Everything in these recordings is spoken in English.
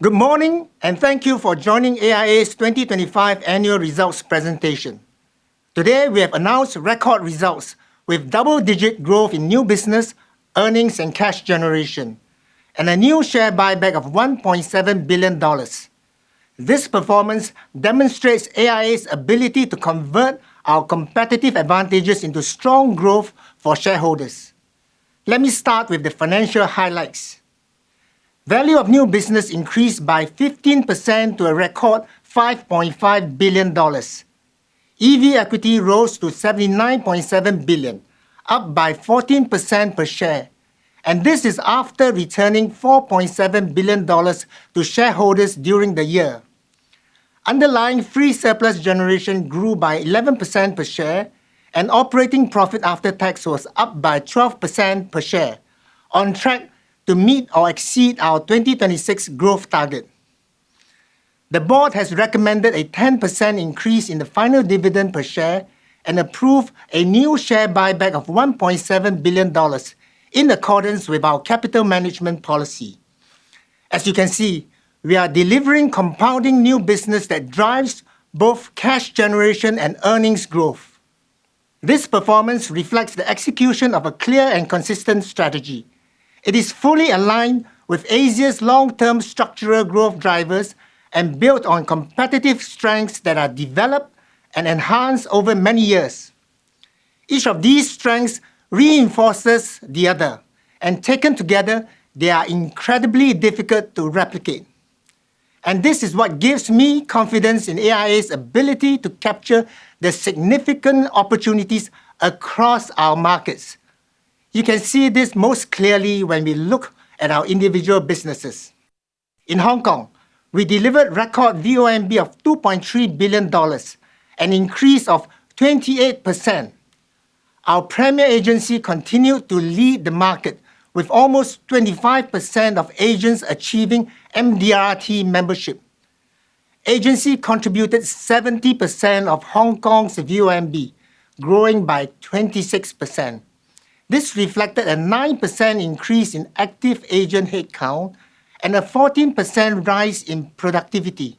Good morning, and thank you for joining AIA's 2025 annual results presentation. Today, we have announced record results with double-digit growth in new business, earnings and cash generation, and a new share buyback of $1.7 billion. This performance demonstrates AIA's ability to convert our competitive advantages into strong growth for shareholders. Let me start with the financial highlights. Value of new business increased by 15% to a record $5.5 billion. EV equity rose to $79.7 billion, up by 14% per share, and this is after returning $4.7 billion to shareholders during the year. Underlying free surplus generation grew by 11% per share, and operating profit after tax was up by 12% per share, on track to meet or exceed our 2026 growth target. The board has recommended a 10% increase in the final dividend per share and approved a new share buyback of $1.7 billion in accordance with our capital management policy. As you can see, we are delivering compounding new business that drives both cash generation and earnings growth. This performance reflects the execution of a clear and consistent strategy. It is fully aligned with Asia's long-term structural growth drivers and built on competitive strengths that are developed and enhanced over many years. Each of these strengths reinforces the other, and taken together, they are incredibly difficult to replicate. This is what gives me confidence in AIA's ability to capture the significant opportunities across our markets. You can see this most clearly when we look at our individual businesses. In Hong Kong, we delivered record VONB of $2.3 billion, an increase of 28%. Our Premier Agency continued to lead the market with almost 25% of agents achieving MDRT membership. Agency contributed 70% of Hong Kong's VONB, growing by 26%. This reflected a 9% increase in active agent headcount and a 14% rise in productivity.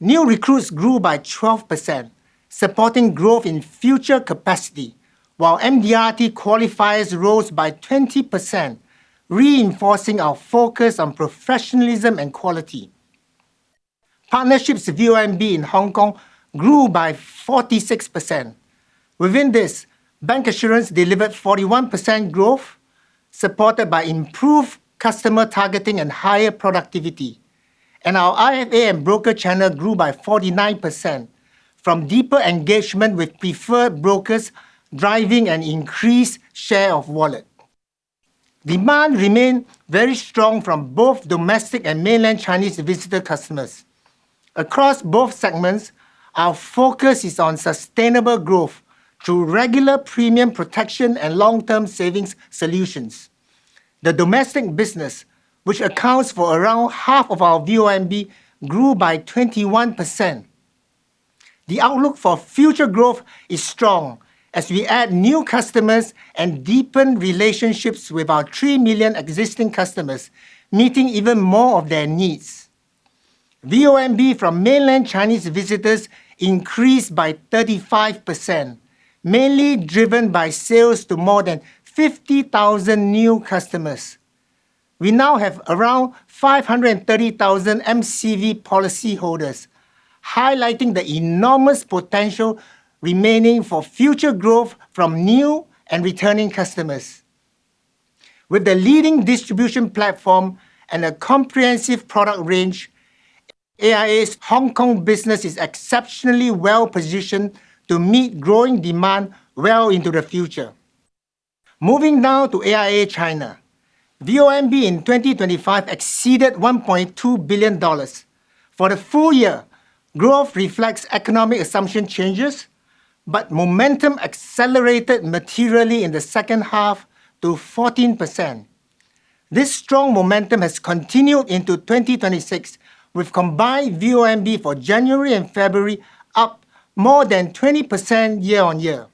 New recruits grew by 12%, supporting growth in future capacity, while MDRT qualifiers rose by 20%, reinforcing our focus on professionalism and quality. Partnerships VONB in Hong Kong grew by 46%. Within this, bancassurance delivered 41% growth, supported by improved customer targeting and higher productivity. Our IFA and broker channel grew by 49% from deeper engagement with preferred brokers driving an increased share of wallet. Demand remained very strong from both domestic and mainland Chinese visitor customers. Across both segments, our focus is on sustainable growth through regular premium protection and long-term savings solutions. The domestic business, which accounts for around half of our VONB, grew by 21%. The outlook for future growth is strong as we add new customers and deepen relationships with our 3 million existing customers, meeting even more of their needs. VONB from mainland Chinese visitors increased by 35%, mainly driven by sales to more than 50,000 new customers. We now have around 530,000 MCV policyholders, highlighting the enormous potential remaining for future growth from new and returning customers. With the leading distribution platform and a comprehensive product range, AIA's Hong Kong business is exceptionally well positioned to meet growing demand well into the future. Moving now to AIA China. VONB in 2025 exceeded $1.2 billion. For the full year, growth reflects economic assumption changes, but momentum accelerated materially in the second half to 14%. This strong momentum has continued into 2026 with combined VONB for January and February up more than 20% year-on-year.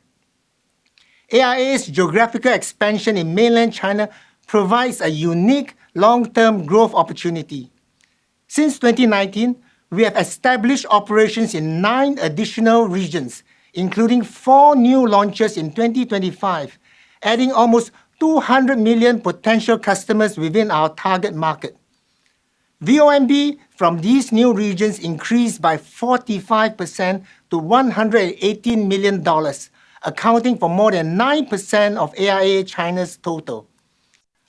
AIA's geographical expansion in mainland China provides a unique long-term growth opportunity. Since 2019, we have established operations in nine additional regions, including four new launches in 2025, adding almost 200 million potential customers within our target market. VONB from these new regions increased by 45% to $118 million, accounting for more than 9% of AIA China's total.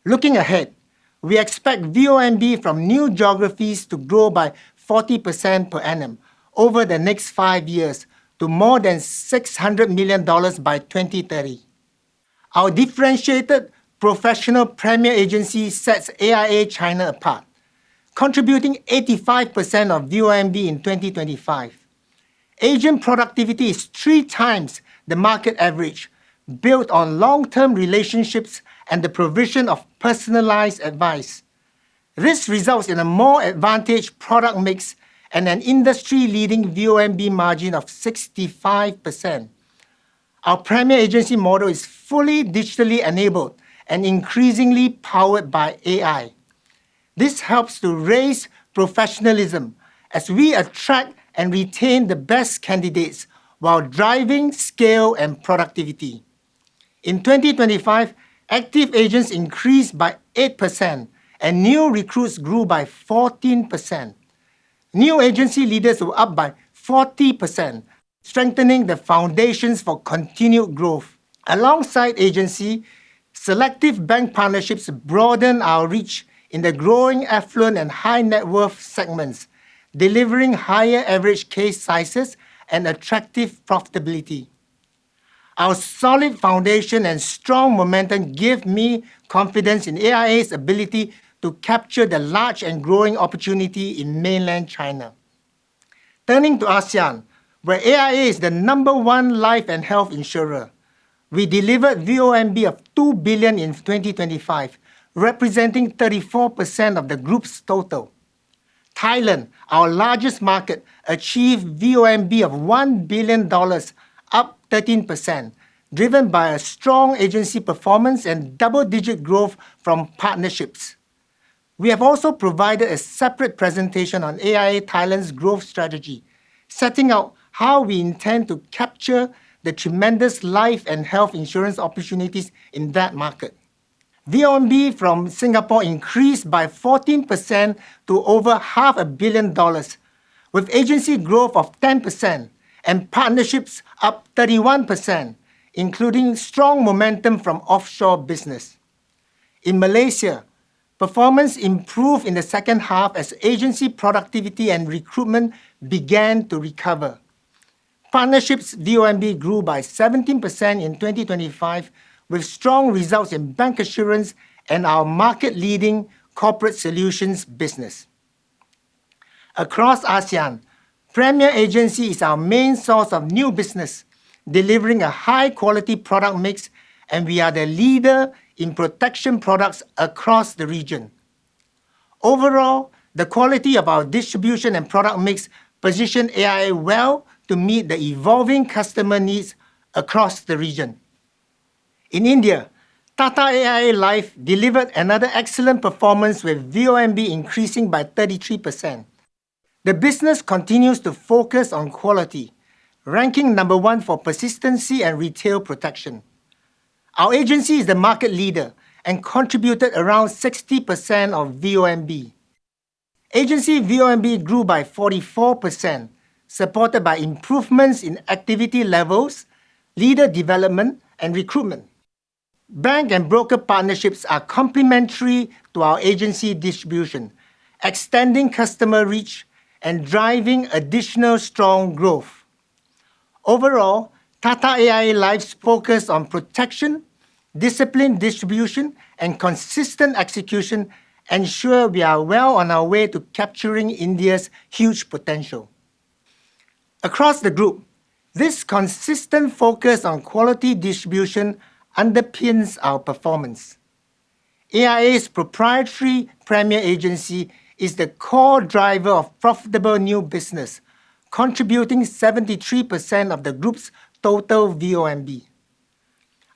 Looking ahead, we expect VONB from new geographies to grow by 40% per annum over the next five years to more than $600 million by 2030. Our differentiated professional Premier Agency sets AIA China apart, contributing 85% of VONB in 2025. Agent productivity is 3x the market average built on long-term relationships and the provision of personalized advice. This results in a more advantageous product mix and an industry-leading VONB margin of 65%. Our Premier Agency model is fully digitally enabled and increasingly powered by AI. This helps to raise professionalism as we attract and retain the best candidates while driving scale and productivity. In 2025, active agents increased by 8% and new recruits grew by 14%. New agency leaders were up by 40%, strengthening the foundations for continued growth. Alongside agency, selective bank partnerships broaden our reach in the growing affluent and high net worth segments, delivering higher average case sizes and attractive profitability. Our solid foundation and strong momentum give me confidence in AIA's ability to capture the large and growing opportunity in mainland China. Turning to ASEAN, where AIA is the number one life and health insurer, we delivered VONB of $2 billion in 2025, representing 34% of the group's total. Thailand, our largest market, achieved VONB of $1 billion, up 13%, driven by a strong agency performance and double-digit growth from partnerships. We have also provided a separate presentation on AIA Thailand's growth strategy, setting out how we intend to capture the tremendous life and health insurance opportunities in that market. VONB from Singapore increased by 14% to over half a billion dollars, with agency growth of 10% and partnerships up 31%, including strong momentum from offshore business. In Malaysia, performance improved in the second half as agency productivity and recruitment began to recover. Partnerships VONB grew by 17% in 2025 with strong results in bancassurance and our market-leading corporate solutions business. Across ASEAN, Premier Agency is our main source of new business, delivering a high-quality product mix, and we are the leader in protection products across the region. Overall, the quality of our distribution and product mix position AIA well to meet the evolving customer needs across the region. In India, Tata AIA Life delivered another excellent performance with VONB increasing by 33%. The business continues to focus on quality, ranking number one for persistency and retail protection. Our agency is the market leader and contributed around 60% of VONB. Agency VONB grew by 44%, supported by improvements in activity levels, leader development, and recruitment. Bank and broker partnerships are complementary to our agency distribution, extending customer reach and driving additional strong growth. Overall, Tata AIA Life's focus on protection, disciplined distribution, and consistent execution ensure we are well on our way to capturing India's huge potential. Across the group, this consistent focus on quality distribution underpins our performance. AIA's proprietary Premier Agency is the core driver of profitable new business, contributing 73% of the group's total VONB.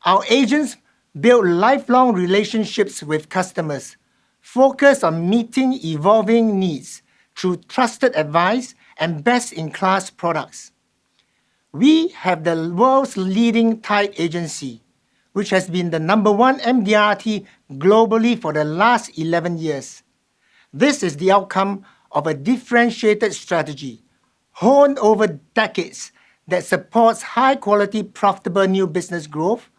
Our agents build lifelong relationships with customers, focused on meeting evolving needs through trusted advice and best-in-class products. We have the world's leading tied agency, which has been the number one MDRT globally for the last 11 years. This is the outcome of a differentiated strategy honed over decades that supports high quality, profitable new business growth,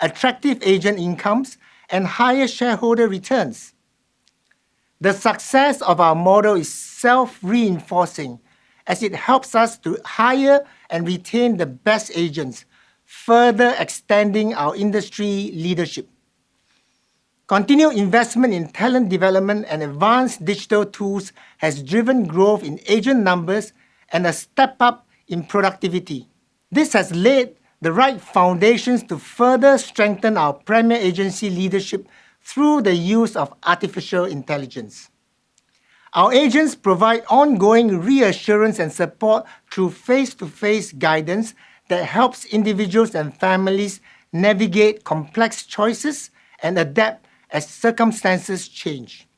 attractive agent incomes, and higher shareholder returns. The success of our model is self-reinforcing as it helps us to hire and retain the best agents, further extending our industry leadership. Continued investment in talent development and advanced digital tools has driven growth in agent numbers and a step-up in productivity. This has laid the right foundations to further strengthen our Premier Agency leadership through the use of artificial intelligence. Our agents provide ongoing reassurance and support through face-to-face guidance that helps individuals and families navigate complex choices and adapt as circumstances change.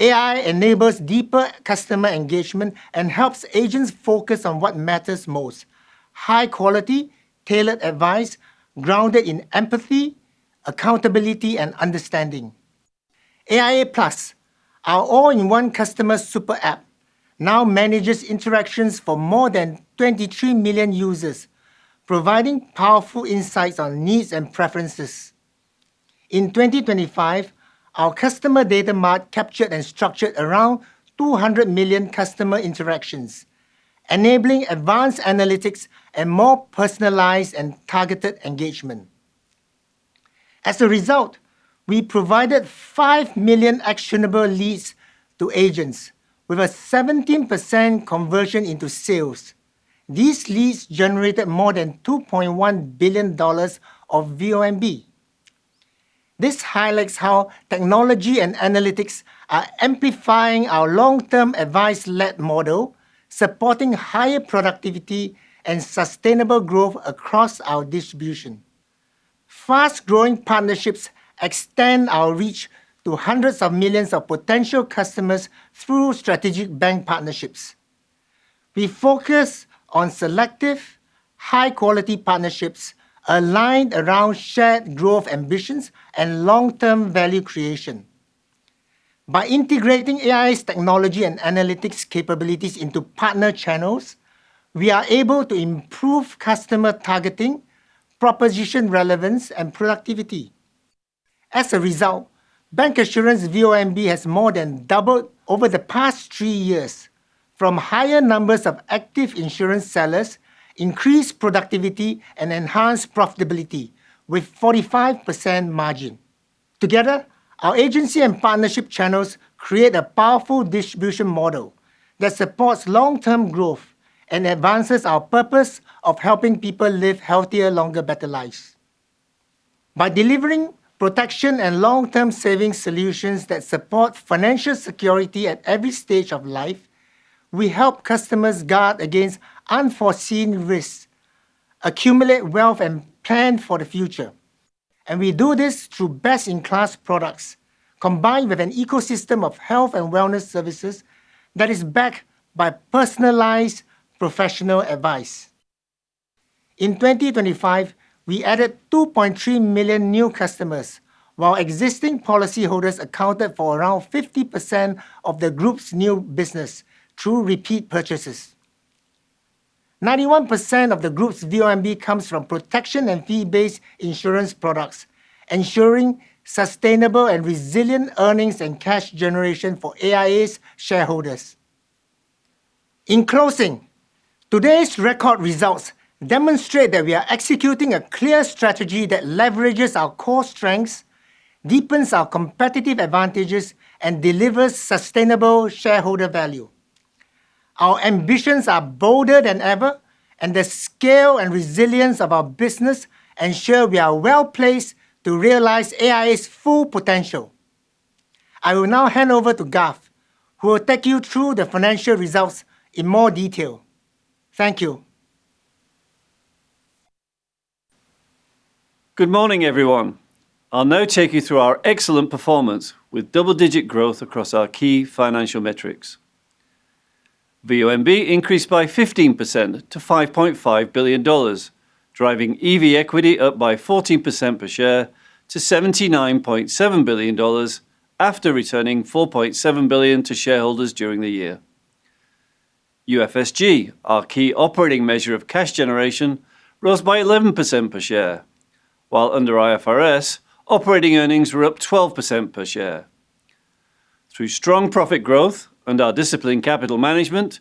AI enables deeper customer engagement and helps agents focus on what matters most, high quality, tailored advice grounded in empathy, accountability and understanding. AIA+, our all-in-one customer super app, now manages interactions for more than 23 million users, providing powerful insights on needs and preferences. In 2025, our customer data mart captured and structured around 200 million customer interactions, enabling advanced analytics and more personalized and targeted engagement. As a result, we provided 5 million actionable leads to agents with a 17% conversion into sales. These leads generated more than $2.1 billion of VONB. This highlights how technology and analytics are amplifying our long-term advice-led model, supporting higher productivity and sustainable growth across our distribution. Fast-growing partnerships extend our reach to hundreds of millions of potential customers through strategic bank partnerships. We focus on selective high quality partnerships aligned around shared growth ambitions and long-term value creation. By integrating AIA's technology and analytics capabilities into partner channels, we are able to improve customer targeting, proposition relevance, and productivity. As a result, bancassurance VONB has more than doubled over the past three years from higher numbers of active insurance sellers, increased productivity, and enhanced profitability with 45% margin. Together, our agency and partnership channels create a powerful distribution model that supports long-term growth and advances our purpose of helping people live healthier, longer, better lives. By delivering protection and long-term saving solutions that support financial security at every stage of life, we help customers guard against unforeseen risks, accumulate wealth, and plan for the future. We do this through best-in-class products, combined with an ecosystem of health and wellness services that is backed by personalized professional advice. In 2025, we added 2.3 million new customers, while existing policy holders accounted for around 50% of the group's new business through repeat purchases. 91% of the group's VONB comes from protection and fee-based insurance products, ensuring sustainable and resilient earnings and cash generation for AIA's shareholders. In closing, today's record results demonstrate that we are executing a clear strategy that leverages our core strengths, deepens our competitive advantages, and delivers sustainable shareholder value. Our ambitions are bolder than ever, and the scale and resilience of our business ensure we are well-placed to realize AIA's full potential. I will now hand over to Garth, who will take you through the financial results in more detail. Thank you. Good morning, everyone. I'll now take you through our excellent performance with double-digit growth across our key financial metrics. VONB increased by 15% to $5.5 billion, driving EV equity up by 14% per share to $79.7 billion after returning $4.7 billion to shareholders during the year. UFSG, our key operating measure of cash generation, rose by 11% per share, while under IFRS, operating earnings were up 12% per share. Through strong profit growth and our disciplined capital management,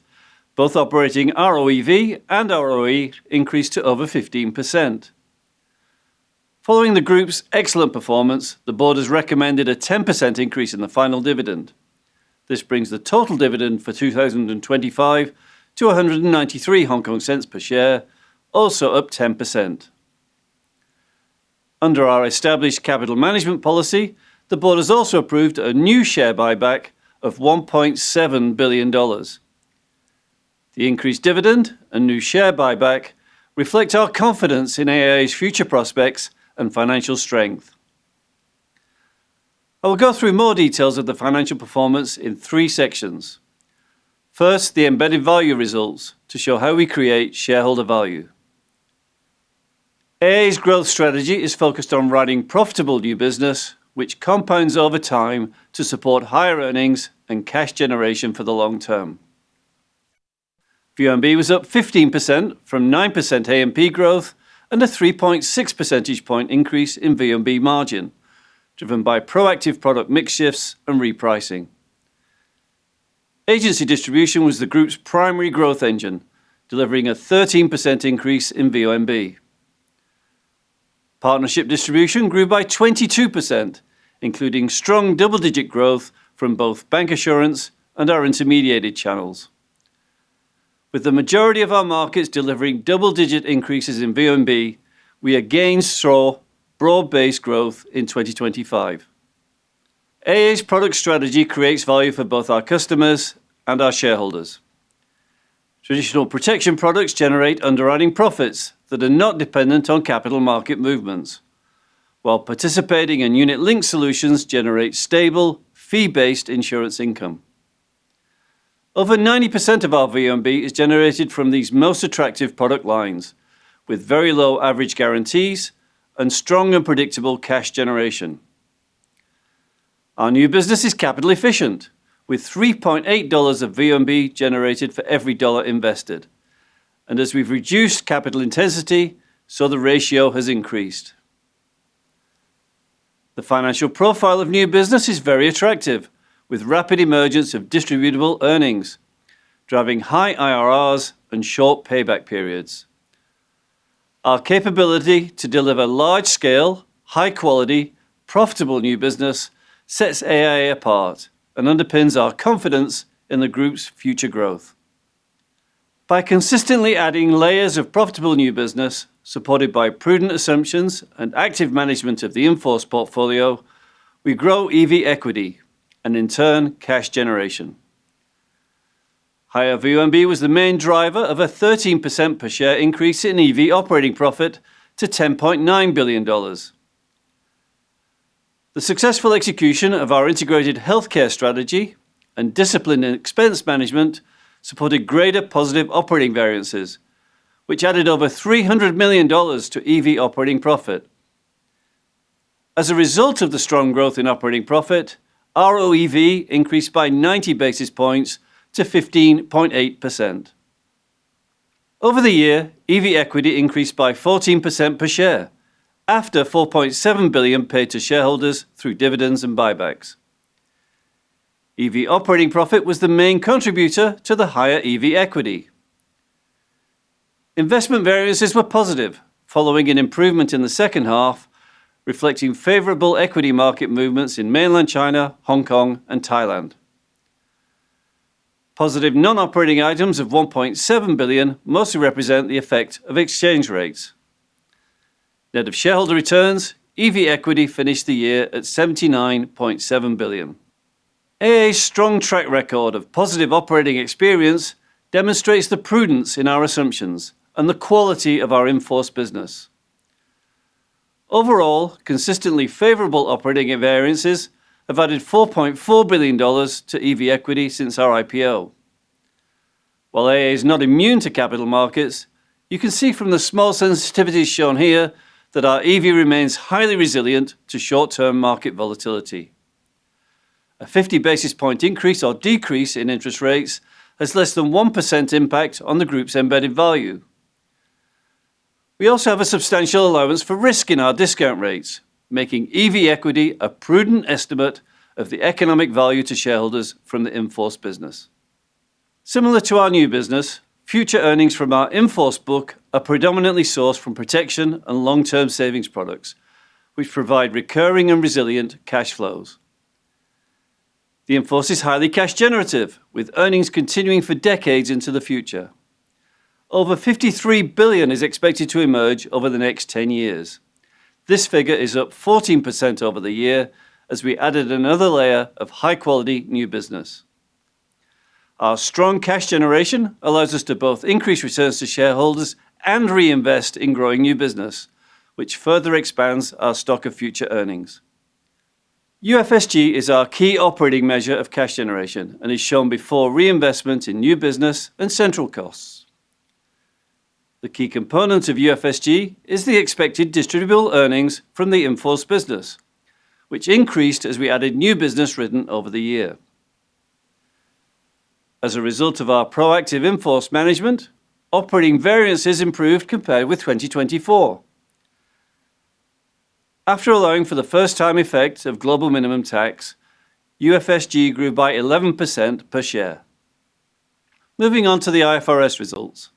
both operating ROEV and ROE increased to over 15%. Following the group's excellent performance, the board has recommended a 10% increase in the final dividend. This brings the total dividend for 2025 to HK$1.93 per share, also up 10%. Under our established capital management policy, the board has also approved a new share buyback of $1.7 billion. The increased dividend and new share buyback reflect our confidence in AIA's future prospects and financial strength. I will go through more details of the financial performance in three sections. First, the embedded value results to show how we create shareholder value. AIA's growth strategy is focused on running profitable new business, which compounds over time to support higher earnings and cash generation for the long term. VONB was up 15% from 9% ANP growth and a 3.6 percentage point increase in VONB margin, driven by proactive product mix shifts and repricing. Agency distribution was the group's primary growth engine, delivering a 13% increase in VONB. Partnership distribution grew by 22%, including strong double-digit growth from both bancassurance and our intermediated channels. With the majority of our markets delivering double-digit increases in VONB, we again saw broad-based growth in 2025. AIA's product strategy creates value for both our customers and our shareholders. Traditional protection products generate underwriting profits that are not dependent on capital market movements, while participating in unit-linked solutions generate stable, fee-based insurance income. Over 90% of our VONB is generated from these most attractive product lines, with very low average guarantees and strong and predictable cash generation. Our new business is capital efficient, with $3.8 of VONB generated for every $1 invested. As we've reduced capital intensity, so the ratio has increased. The financial profile of new business is very attractive, with rapid emergence of distributable earnings, driving high IRRs and short payback periods. Our capability to deliver large scale, high quality, profitable new business sets AIA apart and underpins our confidence in the group's future growth. By consistently adding layers of profitable new business, supported by prudent assumptions and active management of the in-force portfolio, we grow EV equity and in turn, cash generation. Higher VONB was the main driver of a 13% per share increase in EV operating profit to $10.9 billion. The successful execution of our integrated healthcare strategy and discipline in expense management supported greater positive operating variances, which added over $300 million to EV operating profit. As a result of the strong growth in operating profit, ROEV increased by 90 basis points to 15.8%. Over the year, EV equity increased by 14% per share after $4.7 billion paid to shareholders through dividends and buybacks. EV operating profit was the main contributor to the higher EV equity. Investment variances were positive following an improvement in the second half, reflecting favorable equity market movements in mainland China, Hong Kong and Thailand. Positive non-operating items of $1.7 billion mostly represent the effect of exchange rates. Net of shareholder returns, EV equity finished the year at $79.7 billion. AIA's strong track record of positive operating experience demonstrates the prudence in our assumptions and the quality of our in-force business. Overall, consistently favorable operating variances have added $4.4 billion to EV equity since our IPO. While AIA is not immune to capital markets, you can see from the small sensitivities shown here that our EV remains highly resilient to short-term market volatility. A 50 basis point increase or decrease in interest rates has less than 1% impact on the group's embedded value. We also have a substantial allowance for risk in our discount rates, making EV equity a prudent estimate of the economic value to shareholders from the in-force business. Similar to our new business, future earnings from our in-force book are predominantly sourced from protection and long-term savings products, which provide recurring and resilient cash flows. The in-force is highly cash generative, with earnings continuing for decades into the future. Over $53 billion is expected to emerge over the next 10 years. This figure is up 14% over the year as we added another layer of high quality new business. Our strong cash generation allows us to both increase returns to shareholders and reinvest in growing new business, which further expands our stock of future earnings. UFSG is our key operating measure of cash generation and is shown before reinvestment in new business and central costs. The key components of UFSG is the expected distributable earnings from the in-force business, which increased as we added new business written over the year. As a result of our proactive in-force management, operating variances improved compared with 2024. After allowing for the first time effect of Global Minimum Tax, UFSG grew by 11% per share. Moving on to the IFRS results.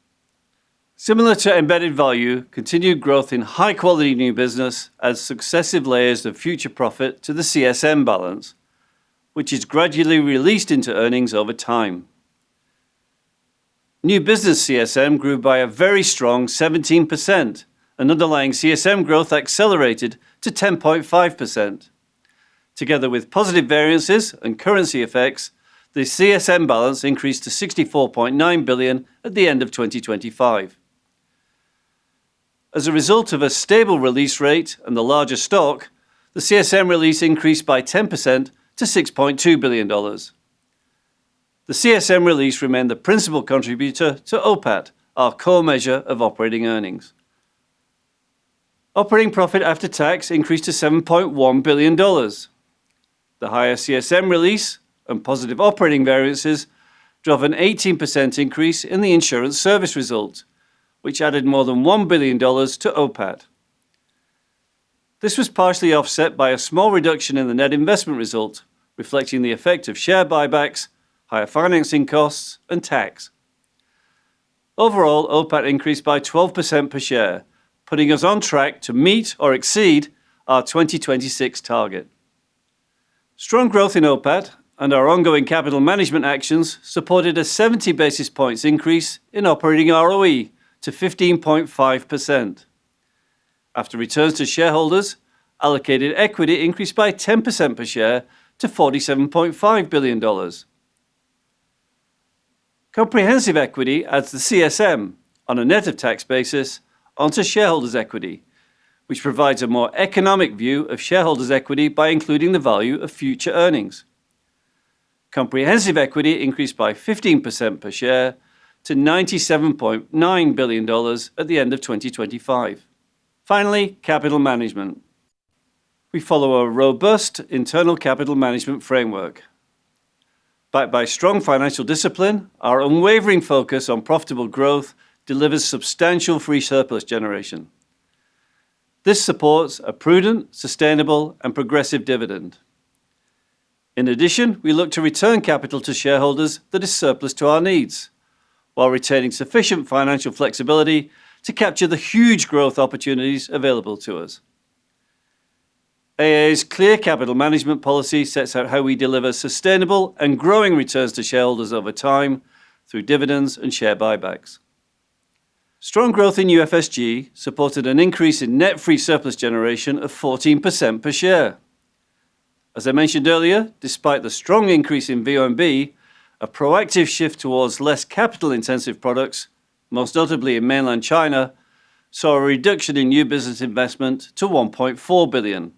Similar to embedded value, continued growth in high quality new business adds successive layers of future profit to the CSM balance, which is gradually released into earnings over time. New business CSM grew by a very strong 17% and underlying CSM growth accelerated to 10.5%. Together with positive variances and currency effects, the CSM balance increased to $64.9 billion at the end of 2025. As a result of a stable release rate and the larger stock, the CSM release increased by 10% to $6.2 billion. The CSM release remained the principal contributor to OPAT, our core measure of operating earnings. Operating profit after tax increased to $7.1 billion. The higher CSM release and positive operating variances drove an 18% increase in the insurance service result, which added more than $1 billion to OPAT. This was partially offset by a small reduction in the net investment result, reflecting the effect of share buybacks, higher financing costs and tax. Overall, OPAT increased by 12% per share, putting us on track to meet or exceed our 2026 target. Strong growth in OPAT and our ongoing capital management actions supported a 70 basis points increase in operating ROE to 15.5%. After returns to shareholders, allocated equity increased by 10% per share to $47.5 billion. Comprehensive equity adds the CSM on a net of tax basis onto shareholders' equity, which provides a more economic view of shareholders' equity by including the value of future earnings. Comprehensive equity increased by 15% per share to $97.9 billion at the end of 2025. Finally, capital management. We follow a robust internal capital management framework. Backed by strong financial discipline, our unwavering focus on profitable growth delivers substantial free surplus generation. This supports a prudent, sustainable and progressive dividend. In addition, we look to return capital to shareholders that is surplus to our needs, while retaining sufficient financial flexibility to capture the huge growth opportunities available to us. AIA's clear capital management policy sets out how we deliver sustainable and growing returns to shareholders over time through dividends and share buybacks. Strong growth in UFSG supported an increase in net free surplus generation of 14% per share. As I mentioned earlier, despite the strong increase in VNB, a proactive shift towards less capital-intensive products, most notably in mainland China, saw a reduction in new business investment to $1.4 billion.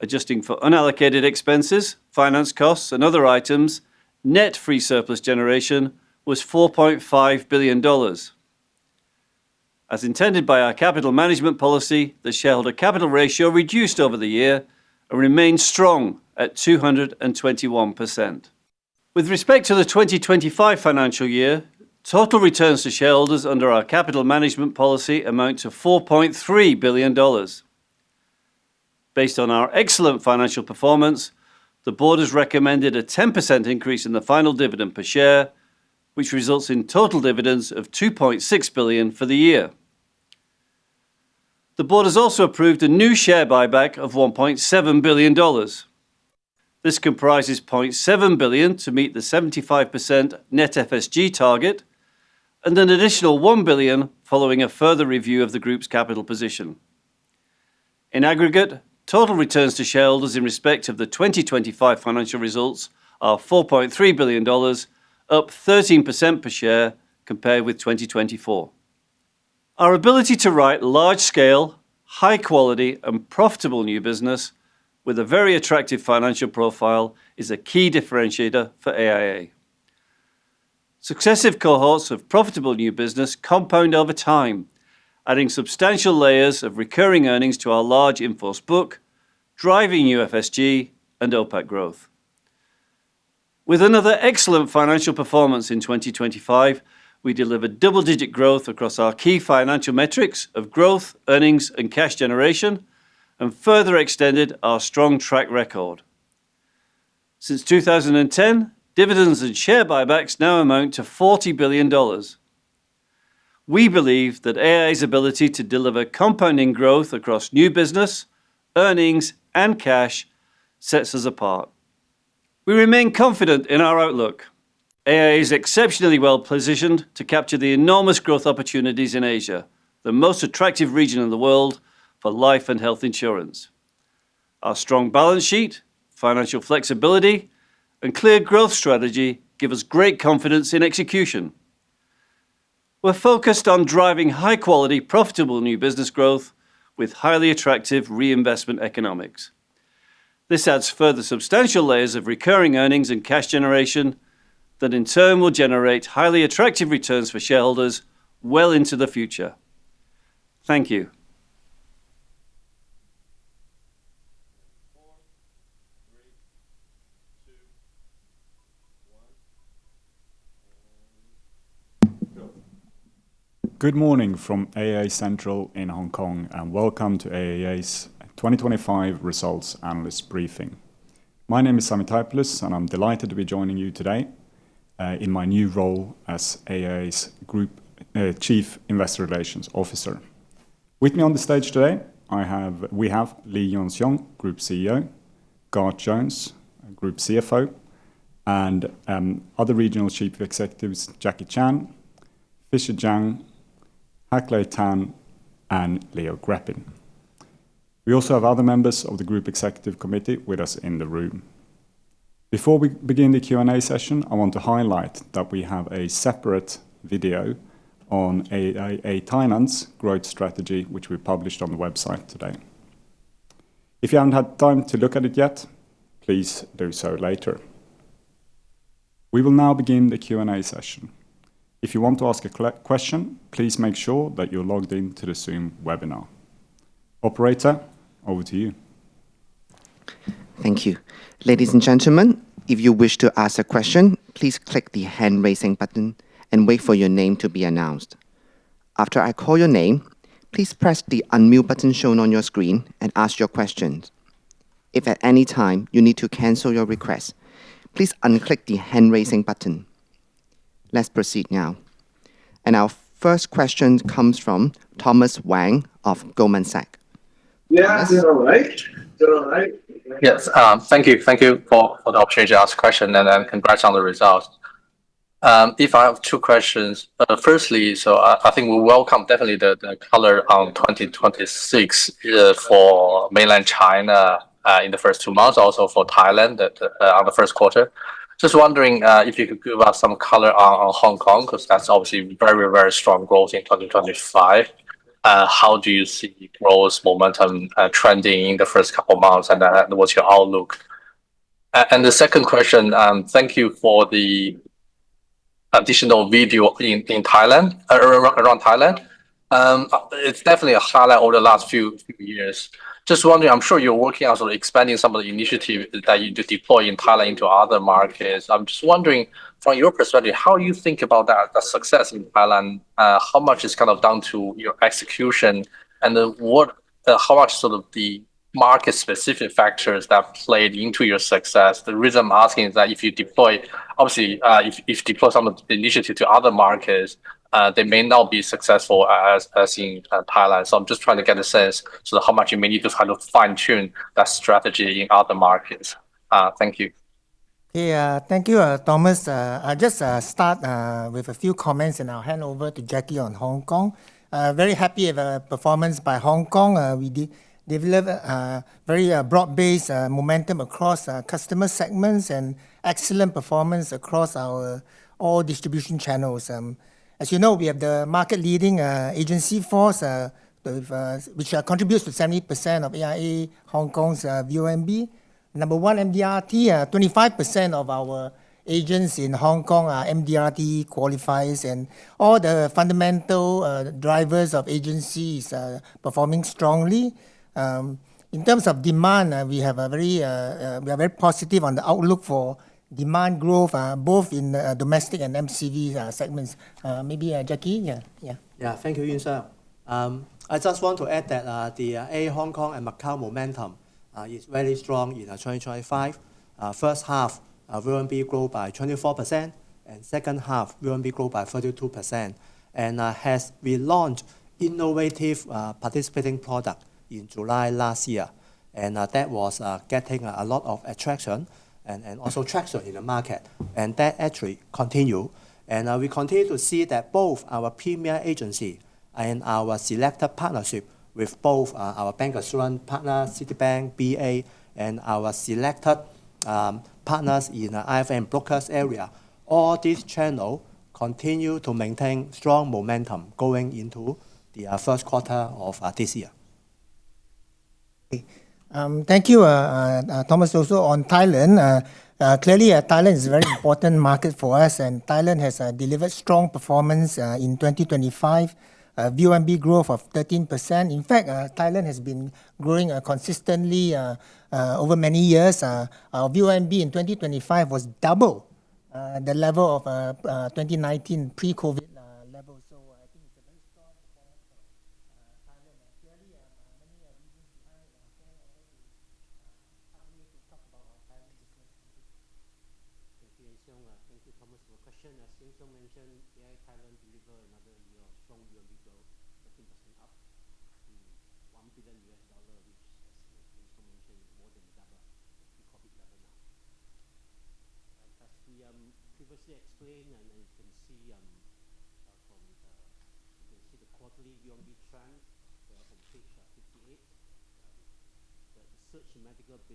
Adjusting for unallocated expenses, finance costs, and other items, net free surplus generation was $4.5 billion. As intended by our capital management policy, the shareholder capital ratio reduced over the year and remains strong at 221%. With respect to the 2025 financial year, total returns to shareholders under our capital management policy amount to $4.3 billion. Based on our excellent financial performance, the board has recommended a 10% increase in the final dividend per share, which results in total dividends of $2.6 billion for the year. The board has also approved a new share buyback of $1.7 billion. This comprises $0.7 billion to meet the 75% net FSG target and an additional $1 billion following a further review of the group's capital position. In aggregate, total returns to shareholders in respect of the 2025 financial results are $4.3 billion, up 13% per share compared with 2024. Our ability to write large scale, high quality, and profitable new business with a very attractive financial profile is a key differentiator for AIA. Successive cohorts of profitable new business compound over time, adding substantial layers of recurring earnings to our large in-force book, driving UFSG and OPAT growth. With another excellent financial performance in 2025, we delivered double-digit growth across our key financial metrics of growth, earnings, and cash generation and further extended our strong track record. Since 2010, dividends and share buybacks now amount to $40 billion. We believe that AIA's ability to deliver compounding growth across new business, earnings, and cash sets us apart. We remain confident in our outlook. AIA is exceptionally well-positioned to capture the enormous growth opportunities in Asia, the most attractive region in the world for life and health insurance. Our strong balance sheet, financial flexibility, and clear growth strategy give us great confidence in execution. We're focused on driving high quality, profitable new business growth with highly attractive reinvestment economics. This adds further substantial layers of recurring earnings and cash generation that in turn will generate highly attractive returns for shareholders well into the future. Thank you. Four, three, two, one. Go. Good morning from AIA Central in Hong Kong, and welcome to AIA's 2025 results analyst briefing. My name is Ismar Tuzovic, and I'm delighted to be joining you today in my new role as AIA's Group Chief Investor Relations Officer. With me on the stage today, we have Lee Yuan Siong, Group CEO, Garth Jones, Group CFO, and other regional chief executives, Jacky Chan, Fisher Zhang, Tan Hak Leh, and Leo Grepin. We also have other members of the group executive committee with us in the room. Before we begin the Q&A session, I want to highlight that we have a separate video on AIA Thailand's growth strategy, which we published on the website today. If you haven't had time to look at it yet, please do so later. We will now begin the Q&A session. If you want to ask a question, please make sure that you're logged into the Zoom webinar. Operator, over to you. Thank you. Ladies and gentlemen, if you wish to ask a question, please click the hand-raising button and wait for your name to be announced. After I call your name, please press the unmute button shown on your screen and ask your questions. If at any time you need to cancel your request, please unclick the hand-raising button. Let's proceed now. Our first question comes from Thomas Wang of Goldman Sachs. Thomas? Yes. All right. Thank you for the opportunity to ask a question, and congrats on the results. I have two questions. Firstly, I think we welcome definitely the color on 2026 for mainland China in the first two months, also for Thailand on the first quarter. Just wondering if you could give us some color on Hong Kong, 'cause that's obviously very strong growth in 2025. How do you see growth momentum trending in the first couple of months, and what's your outlook? The second question, thank you for the additional VONB in and around Thailand. It's definitely a highlight over the last few years. Just wondering, I'm sure you're working on sort of expanding some of the initiative that you deploy in Thailand to other markets. I'm just wondering from your perspective, how you think about that, the success in Thailand? How much is kind of down to your execution and how much sort of the market specific factors that played into your success? The reason I'm asking is that if you deploy, obviously, if you deploy some of the initiative to other markets, they may not be successful as in Thailand. I'm just trying to get a sense to how much you may need to kind of fine-tune that strategy in other markets. Thank you. Yeah. Thank you, Thomas. I just start with a few comments and I'll hand over to Jacky on Hong Kong. Very happy with performance by Hong Kong. We deliver very broad-based momentum across customer segments and excellent performance across all our distribution channels. As you know, we have the market leading agency force with which contributes to 70% of AIA Hong Kong's VONB. Number one MDRT, 25% of our agents in Hong Kong are MDRT qualified and all the fundamental drivers of agencies performing strongly. In terms of demand, we are very positive on the outlook for demand growth both in domestic and MCV segments. Maybe Jacky? Yeah. Yeah. Thank you, Lee Yuan Siong. I just want to add that the AIA Hong Kong and Macau momentum is very strong in 2025. First half VONB grow by 24% and second half VONB grow by 32%. As we launched innovative participating product in July last year. That was getting a lot of attention and also traction in the market. That actually continue. We continue to see that both our Premier Agency and our selected partnership with both our bancassurance partner, Citibank, bancassurance, and our selected partners in the IFA brokers area. All this channel continue to maintain strong momentum going into the first quarter of this year. Okay. Thank you, Thomas. Also on Thailand. Clearly, Thailand is a very important market for us, and Thailand has delivered strong performance in 2025. VONB growth of 13%. In fact, Thailand has been growing consistently over many years. Our VONB in 2025 was double the level of 2019 pre-COVID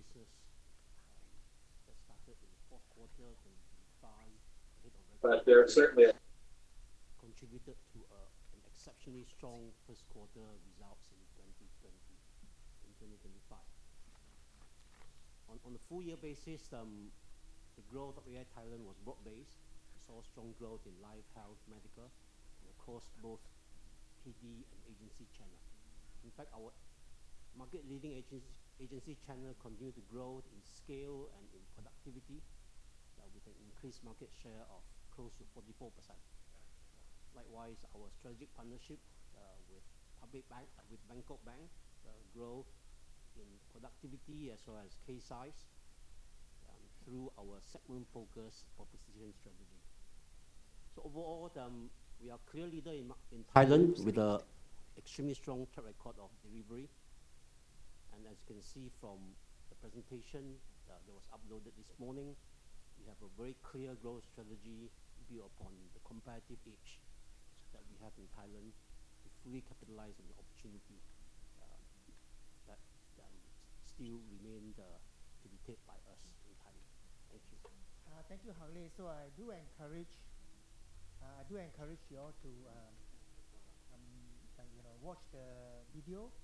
levels. I think it's a very strong performance for Thailand. Clearly, many reasons behind. I'll hand over to Tan Hak Leh to talk about our Thailand business. Thank you. Thank you, Lee Yuan Siong. Thank you, Thomas Wang, for your question. As Lee Yuan Siong mentioned, AIA Thailand delivered another year of strong VONB growth, 13% up to $1 billion, which as Lee Yuan Siong mentioned, more than double pre-COVID level now. As we previously explained, and you can see from page 58. The health and medical business that started in the fourth quarter can be found ahead on- There are certainly. Contributed to an exceptionally strong first quarter results in 2020, in 2025. On a full year basis, the growth of AIA Thailand was broad-based. We saw strong growth in life, health, medical, and of course, both PD and agency channel. In fact, our market leading agency channel continued to grow in scale and in productivity, with an increased market share of close to 44%. Likewise, our strategic partnership with Public Bank, with Bangkok Bank, grow in productivity as well as case size, through our segment focus for precision strategy. Overall, we are clear leader in Thailand with an extremely strong track record of delivery. As you can see from the presentation that was uploaded this morning, we have a very clear growth strategy built upon the competitive edge that we have in Thailand to fully capitalize on the opportunity that still remains to be taken by us in Thailand. Thank you. Thank you, Tan Hak Leh. I do encourage you all to, you know, watch the video.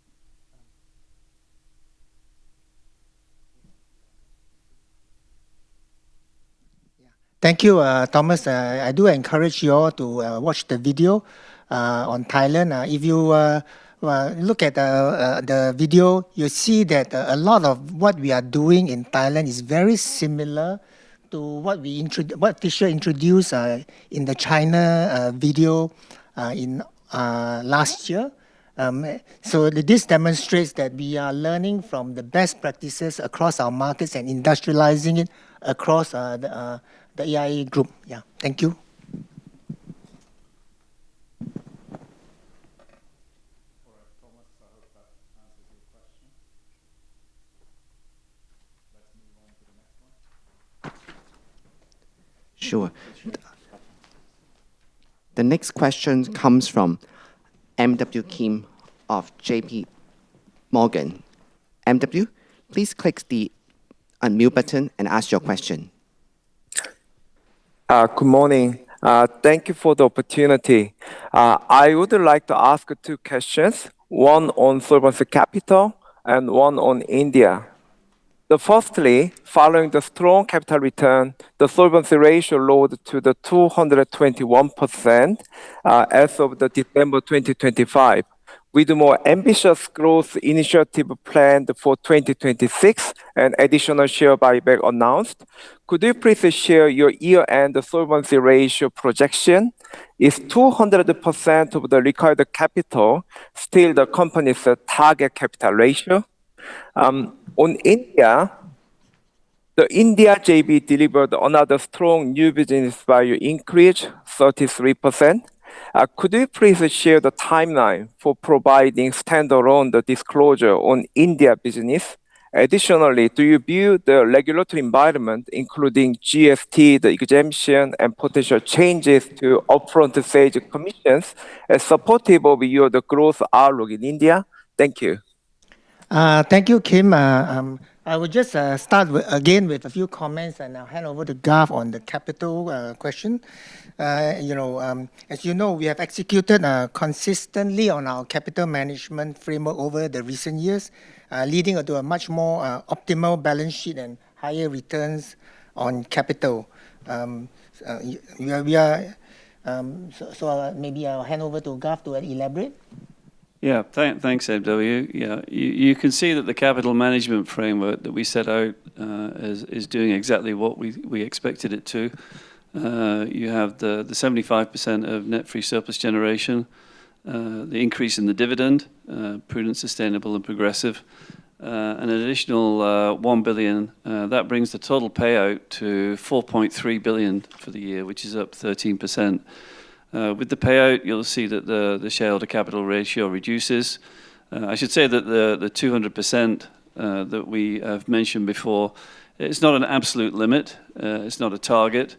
Thank you, Thomas Wang. I do encourage you all to watch the video on Thailand. If you look at the video, you'll see that a lot of what we are doing in Thailand is very similar to what Fisher Zhang introduced in the China video last year. This demonstrates that we are learning from the best practices across our markets and industrializing it across the AIA Group. Thank you. All right, Thomas, I hope that answers your question. Let's move on to the next one. Sure. The next question comes from M.W. Kim of JPMorgan. M.W. please click the unmute button and ask your question. Good morning. Thank you for the opportunity. I would like to ask two questions, one on solvency capital and one on India. Firstly, following the strong capital return, the solvency ratio rose to 221% as of December 2025. With more ambitious growth initiative planned for 2026 and additional share buyback announced, could you please share your year-end solvency ratio projection? Is 200% of the required capital still the company's target capital ratio? On India. The India JV delivered another strong new business value increase, 33%. Could you please share the timeline for providing standalone disclosure on India business? Additionally, do you view the regulatory environment, including GST, the exemption, and potential changes to upfront sales commissions as supportive of your growth outlook in India? Thank you. Thank you, Kim. I will just start with again with a few comments and I'll hand over to Garth on the capital question. You know, as you know, we have executed consistently on our capital management framework over the recent years, leading to a much more optimal balance sheet and higher returns on capital. Maybe I'll hand over to Garth to elaborate. Yeah. Thanks, M.W. Yeah. You can see that the capital management framework that we set out is doing exactly what we expected it to. You have the 75% of net free surplus generation, the increase in the dividend, prudent, sustainable, and progressive, an additional $1 billion that brings the total payout to $4.3 billion for the year, which is up 13%. With the payout, you'll see that the shareholder capital ratio reduces. I should say that the 200% that we have mentioned before, it's not an absolute limit, it's not a target.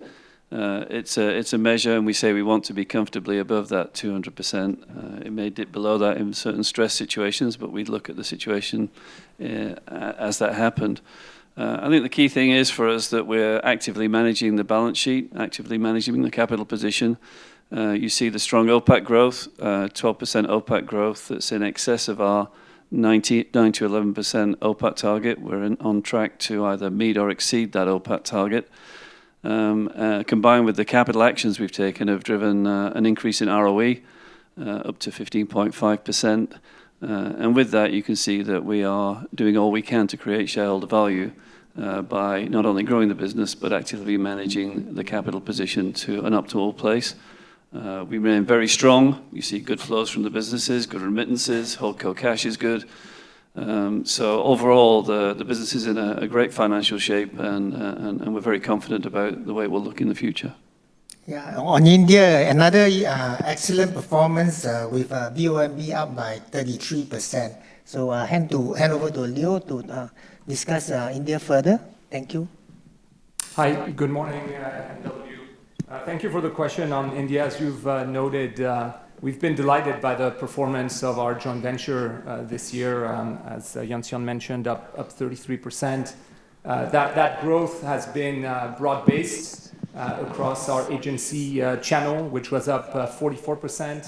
It's a measure, and we say we want to be comfortably above that 200%. It may dip below that in certain stress situations, but we'd look at the situation, as that happened. I think the key thing is for us that we're actively managing the balance sheet, actively managing the capital position. You see the strong OPAT growth, 12% OPAT growth that's in excess of our 9%-11% OPAT target. We're on track to either meet or exceed that OPAT target. Combined with the capital actions we've taken have driven an increase in ROE up to 15.5%. With that, you can see that we are doing all we can to create shareholder value by not only growing the business, but actively managing the capital position to an optimal place. We remain very strong. We see good flows from the businesses, good remittances, holdco cash is good. So overall, the business is in a great financial shape and we're very confident about the way it will look in the future. Yeah. On India, another excellent performance with VONB up by 33%. I'll hand over to Leo to discuss India further. Thank you. Hi, good morning, M.W. Thank you for the question on India. As you've noted, we've been delighted by the performance of our joint venture this year, as Lee Yuan Siong mentioned, up 33%. That growth has been broad-based across our agency channel, which was up 44%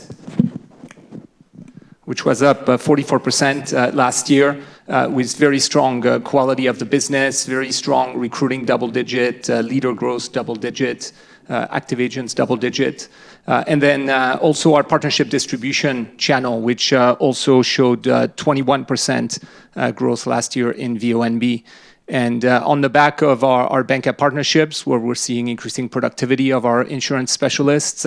last year, with very strong quality of the business, very strong recruiting, double-digit leader growth, double-digit active agents. Also, our partnership distribution channel also showed 21% growth last year in VONB. On the back of our banker partnerships, where we're seeing increasing productivity of our insurance specialists,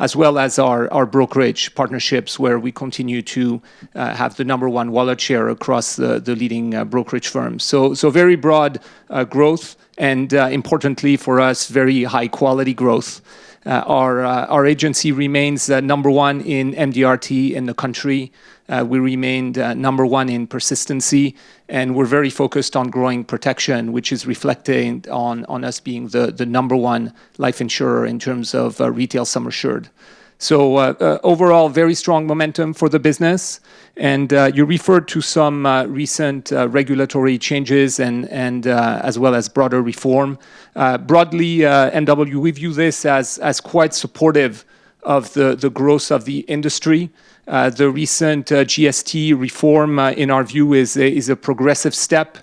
as well as our brokerage partnerships, where we continue to have the number one wallet share across the leading brokerage firms. Very broad growth and, importantly for us, very high quality growth. Our agency remains the number one in MDRT in the country. We remained number one in persistency, and we're very focused on growing protection, which is reflecting on us being the number one life insurer in terms of retail sum assured. Overall, very strong momentum for the business. You referred to some recent regulatory changes and, as well as broader reform. Broadly, M.W., we view this as quite supportive of the growth of the industry. The recent GST reform, in our view, is a progressive step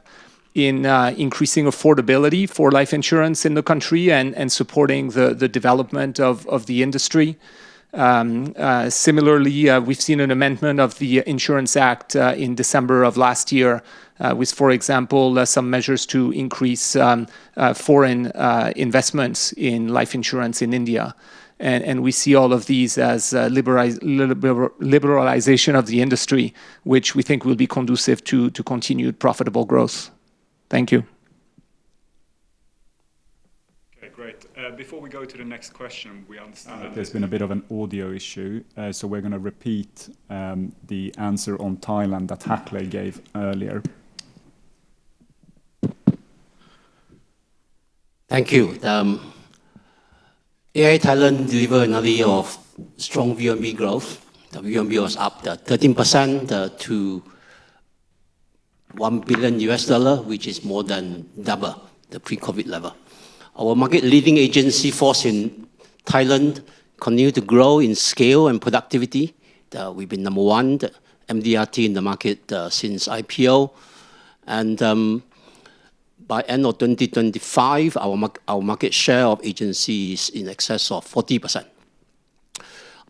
in increasing affordability for life insurance in the country and supporting the development of the industry. Similarly, we've seen an amendment of the Insurance Ordinance in December of last year, with, for example, some measures to increase foreign investments in life insurance in India. We see all of these as liberalization of the industry, which we think will be conducive to continued profitable growth. Thank you. Okay, great. Before we go to the next question, we understand that there's been a bit of an audio issue, so we're gonna repeat the answer on Thailand that Tan Hak Leh gave earlier. Thank you. AIA Thailand delivered another year of strong VONB growth. The VONB was up 13%, to $1 billion, which is more than double the pre-COVID level. Our market-leading agency force in Thailand continued to grow in scale and productivity. We've been number one MDRT in the market since IPO. By end of 2025, our market share of agency is in excess of 40%.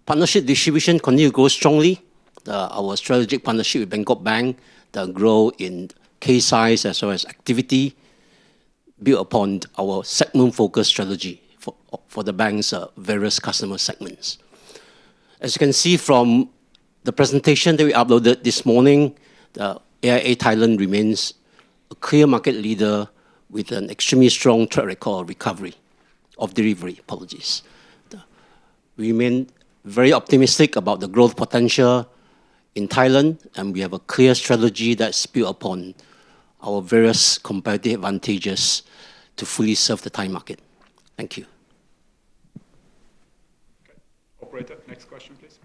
Partnership distribution continued to grow strongly. Our strategic partnership with Bangkok Bank, the growth in case size as well as activity built upon our segment-focused strategy for the bank's various customer segments. As you can see from the presentation that we uploaded this morning, AIA Thailand remains a clear market leader with an extremely strong track record of delivery. Apologies. We remain very optimistic about the growth potential in Thailand, and we have a clear strategy that's built upon our various competitive advantages to fully serve the Thai market. Thank you. Okay. Operator, next question, please.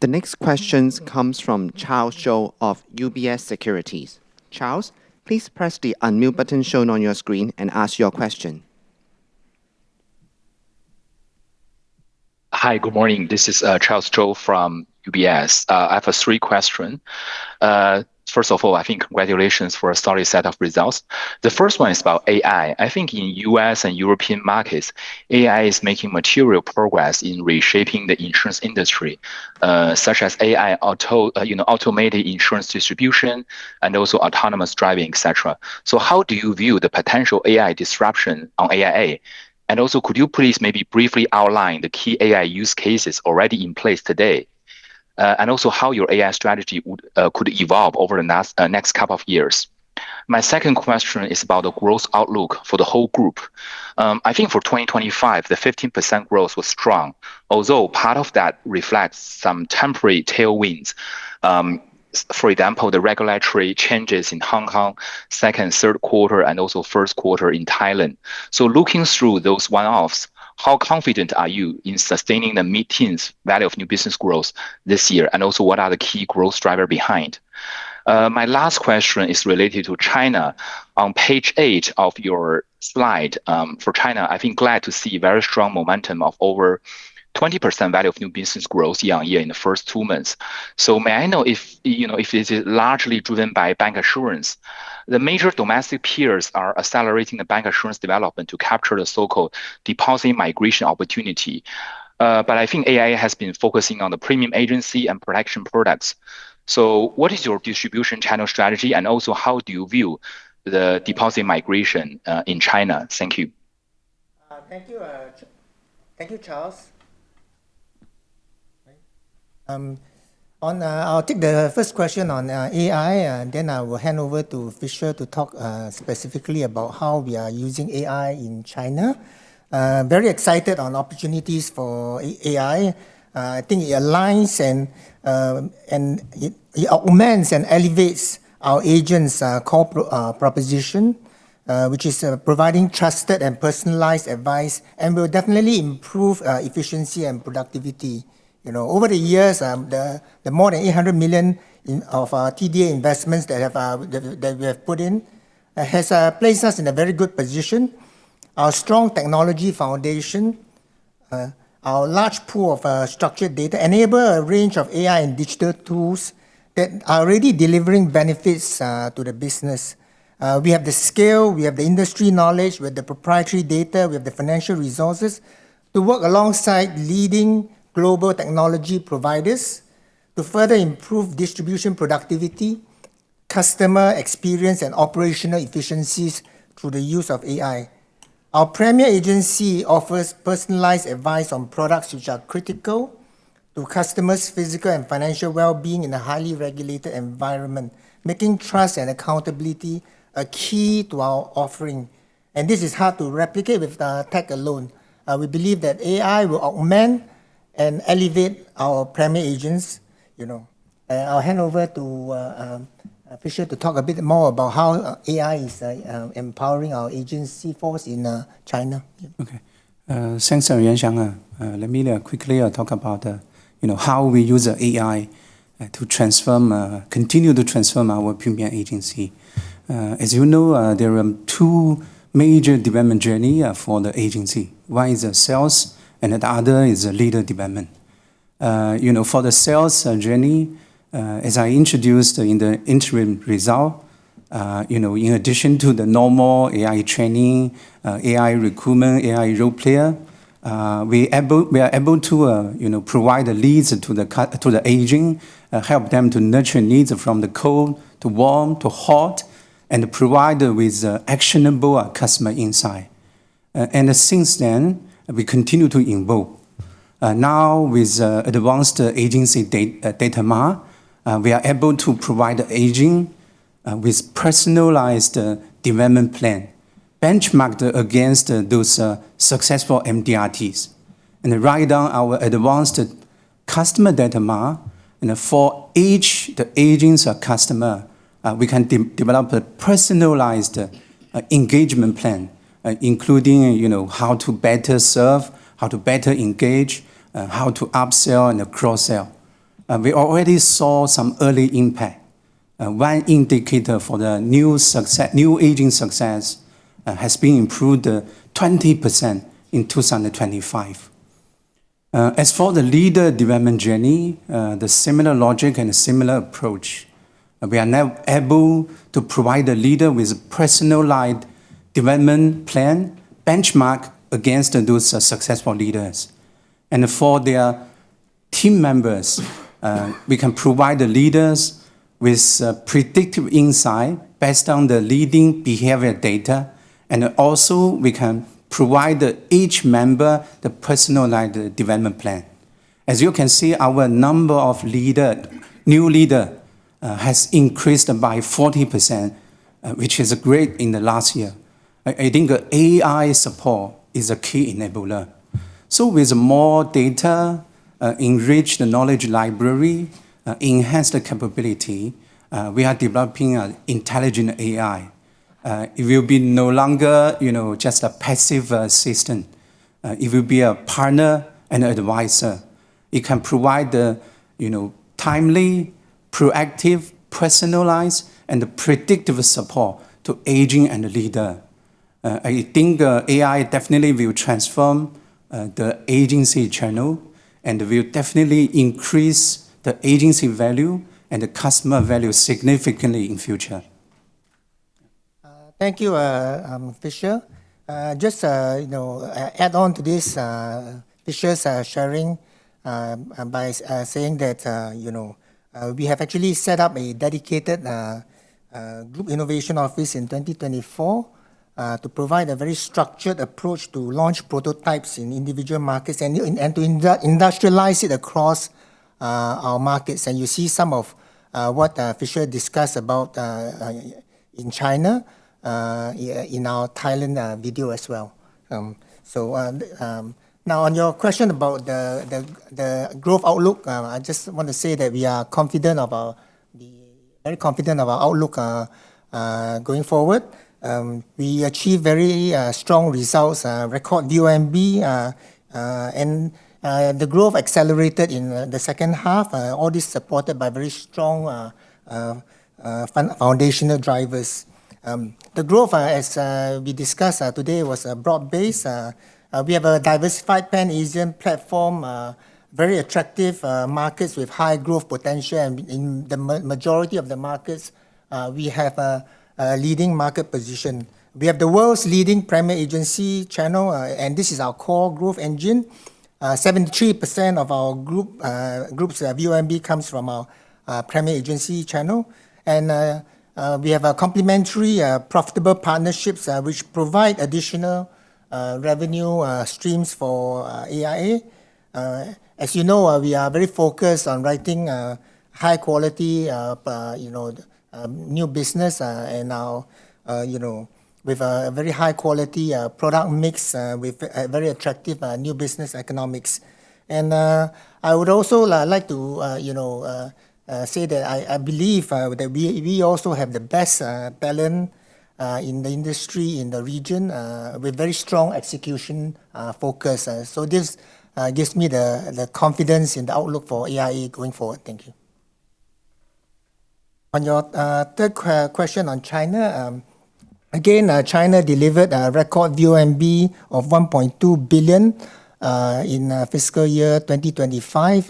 The next questions comes from Charles Zhou of UBS Securities. Charles, please press the unmute button shown on your screen and ask your question. Hi, good morning. This is Charles Zhou from UBS. I have three questions. First of all, I think congratulations for a solid set of results. The first one is about AI. I think in U.S. and European markets, AI is making material progress in reshaping the insurance industry, such as automated insurance distribution, and also autonomous driving, etc. How do you view the potential AI disruption on AIA? And also, could you please maybe briefly outline the key AI use cases already in place today? And also how your AI strategy could evolve over the next couple of years. My second question is about the growth outlook for the whole group. I think for 2025, the 15% growth was strong, although part of that reflects some temporary tailwinds. For example, the regulatory changes in Hong Kong, second and third quarter, and also first quarter in Thailand. Looking through those one-offs, how confident are you in sustaining the mid-teens value of new business growth this year? And also, what are the key growth driver behind? My last question is related to China. On page 8 of your slide, for China, I think I'm glad to see very strong momentum of over 20% value of new business growth year-on-year in the first two months. May I know if, you know, if it's largely driven by bancassurance? The major domestic peers are accelerating the bancassurance development to capture the so-called deposit migration opportunity. I think AIA has been focusing on the Premier Agency and protection products. What is your distribution channel strategy? How do you view the deposit migration, in China? Thank you. Thank you, Charles. Right. I'll take the first question on AI, and then I will hand over to Fisher to talk specifically about how we are using AI in China. Very excited on opportunities for AI. I think it aligns and it augments and elevates our agents' core proposition, which is providing trusted and personalized advice and will definitely improve efficiency and productivity. You know, over the years, the more than $800 million of TDA investments that we have put in has placed us in a very good position. Our strong technology foundation, our large pool of structured data enable a range of AI and digital tools that are already delivering benefits to the business. We have the scale, we have the industry knowledge, we have the proprietary data, we have the financial resources to work alongside leading global technology providers to further improve distribution productivity, customer experience, and operational efficiencies through the use of AI. Our Premier Agency offers personalized advice on products which are critical to customers' physical and financial well-being in a highly regulated environment, making trust and accountability a key to our offering. This is hard to replicate with tech alone. We believe that AI will augment and elevate our Premier Agency agents, you know. I'll hand over to Fisher to talk a bit more about how AI is empowering our agency force in China. Yeah. Okay. Thanks, Lee Yuan Siong. Let me quickly talk about, you know, how we use AI to transform, continue to transform our Premier Agency. As you know, there are two major development journey for the agency. One is the sales and the other is the leadership development. You know, for the sales journey, as I introduced in the interim result, you know, in addition to the normal AI training, AI recruitment, AI role player, we are able to, you know, provide the leads to the agent, help them to nurture leads from the cold, to warm, to hot, and provide with actionable customer insight. Since then, we continue to evolve. Now with advanced Agency Data Mart, we are able to provide the agent with personalized development plan benchmarked against those successful MDRTs. Right on our advanced customer data mart, you know, for each the agent's customer, we can develop a personalized engagement plan, including, you know, how to better serve, how to better engage, how to upsell and cross-sell. We already saw some early impact. One indicator for the new agent success has been improved 20% in 2025. As for the leader development journey, the similar logic and similar approach. We are now able to provide the leader with personalized development plan benchmarked against those successful leaders. For their team members, we can provide the leaders with predictive insight based on the leading behavior data. We can provide each member the personalized development plan. As you can see, our number of new leader has increased by 40%, which is great in the last year. I think AI support is a key enabler. With more data, enrich the knowledge library, enhance the capability, we are developing an intelligent AI. It will be no longer, you know, just a passive assistant. It will be a partner and advisor. It can provide the, you know, timely, proactive, personalized, and predictive support to agent and the leader. I think, AI definitely will transform the agency channel and will definitely increase the agency value and the customer value significantly in future. Thank you, Fisher. Just, you know, add on to this, Fisher's sharing, by saying that, you know, we have actually set up a dedicated group innovation office in 2024 to provide a very structured approach to launch prototypes in individual markets and to industrialize it across our markets. You see some of what Fisher discussed about in China, yeah, in our Thailand video as well. Now on your question about the growth outlook, I just want to say that we are very confident of our outlook going forward. We achieved very strong results, record VONB, and the growth accelerated in the second half. All this supported by very strong, foundational drivers. The growth, as we discussed, today was broad-based. We have a diversified pan-Asian platform, very attractive markets with high growth potential. In the majority of the markets, we have a leading market position. We have the world's leading primary agency channel, and this is our core growth engine. 73% of our group's VONB comes from our primary agency channel. We have a complementary, profitable partnerships, which provide additional revenue streams for AIA. As you know, we are very focused on writing high quality, you know, new business, and you know, with a very high quality product mix, with a very attractive new business economics. I would also like to, you know, say that I believe that we also have the best talent in the industry, in the region, with very strong execution focus. This gives me the confidence in the outlook for AIA going forward. Thank you. On your third question on China, again, China delivered a record VONB of $1.2 billion in fiscal year 2025.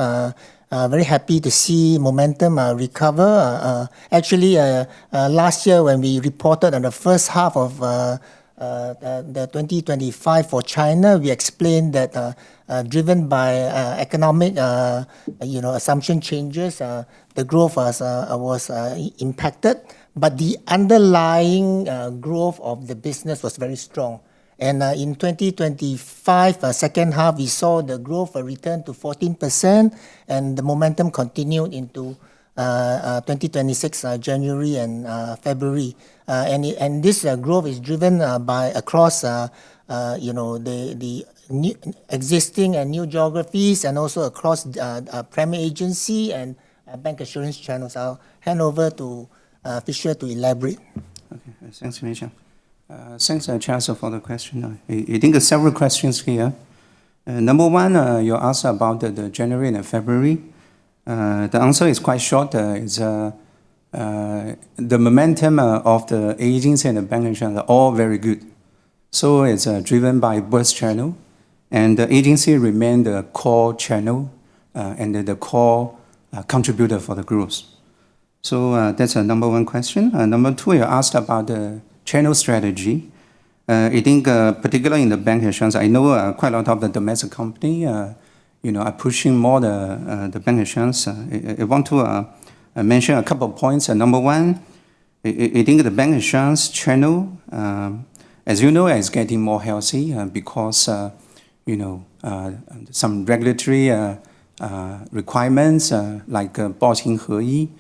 Very happy to see momentum recover. Actually, last year when we reported on the first half of 2025 for China, we explained that, driven by economic, you know, assumption changes, the growth was impacted, but the underlying growth of the business was very strong. In 2025 second half, we saw the growth return to 14%, and the momentum continued into 2026, January and February. This growth is driven by, across, you know, the existing and new geographies and also across the Premier agency and bancassurance channels. I'll hand over to Fisher to elaborate. Okay. Thanks, Lee Yuan Siong. Thanks, Charles Zhou, for the question. I think there's several questions here. Number one, you asked about the January and February. The answer is quite short. It's the momentum of the agencies and the bancassurance are all very good. So it's driven by both channel, and the agency remained the core channel, and the core contributor for the groups. So, that's our number one question. Number two, you asked about the channel strategy. I think, particularly in the bancassurance, I know, quite a lot of the domestic company, you know, are pushing more the bancassurance. I want to mention a couple of points. Number one, I think the bancassurance channel, as you know, is getting more healthy, because, you know, some regulatory requirements, like Bao Xing He Yi,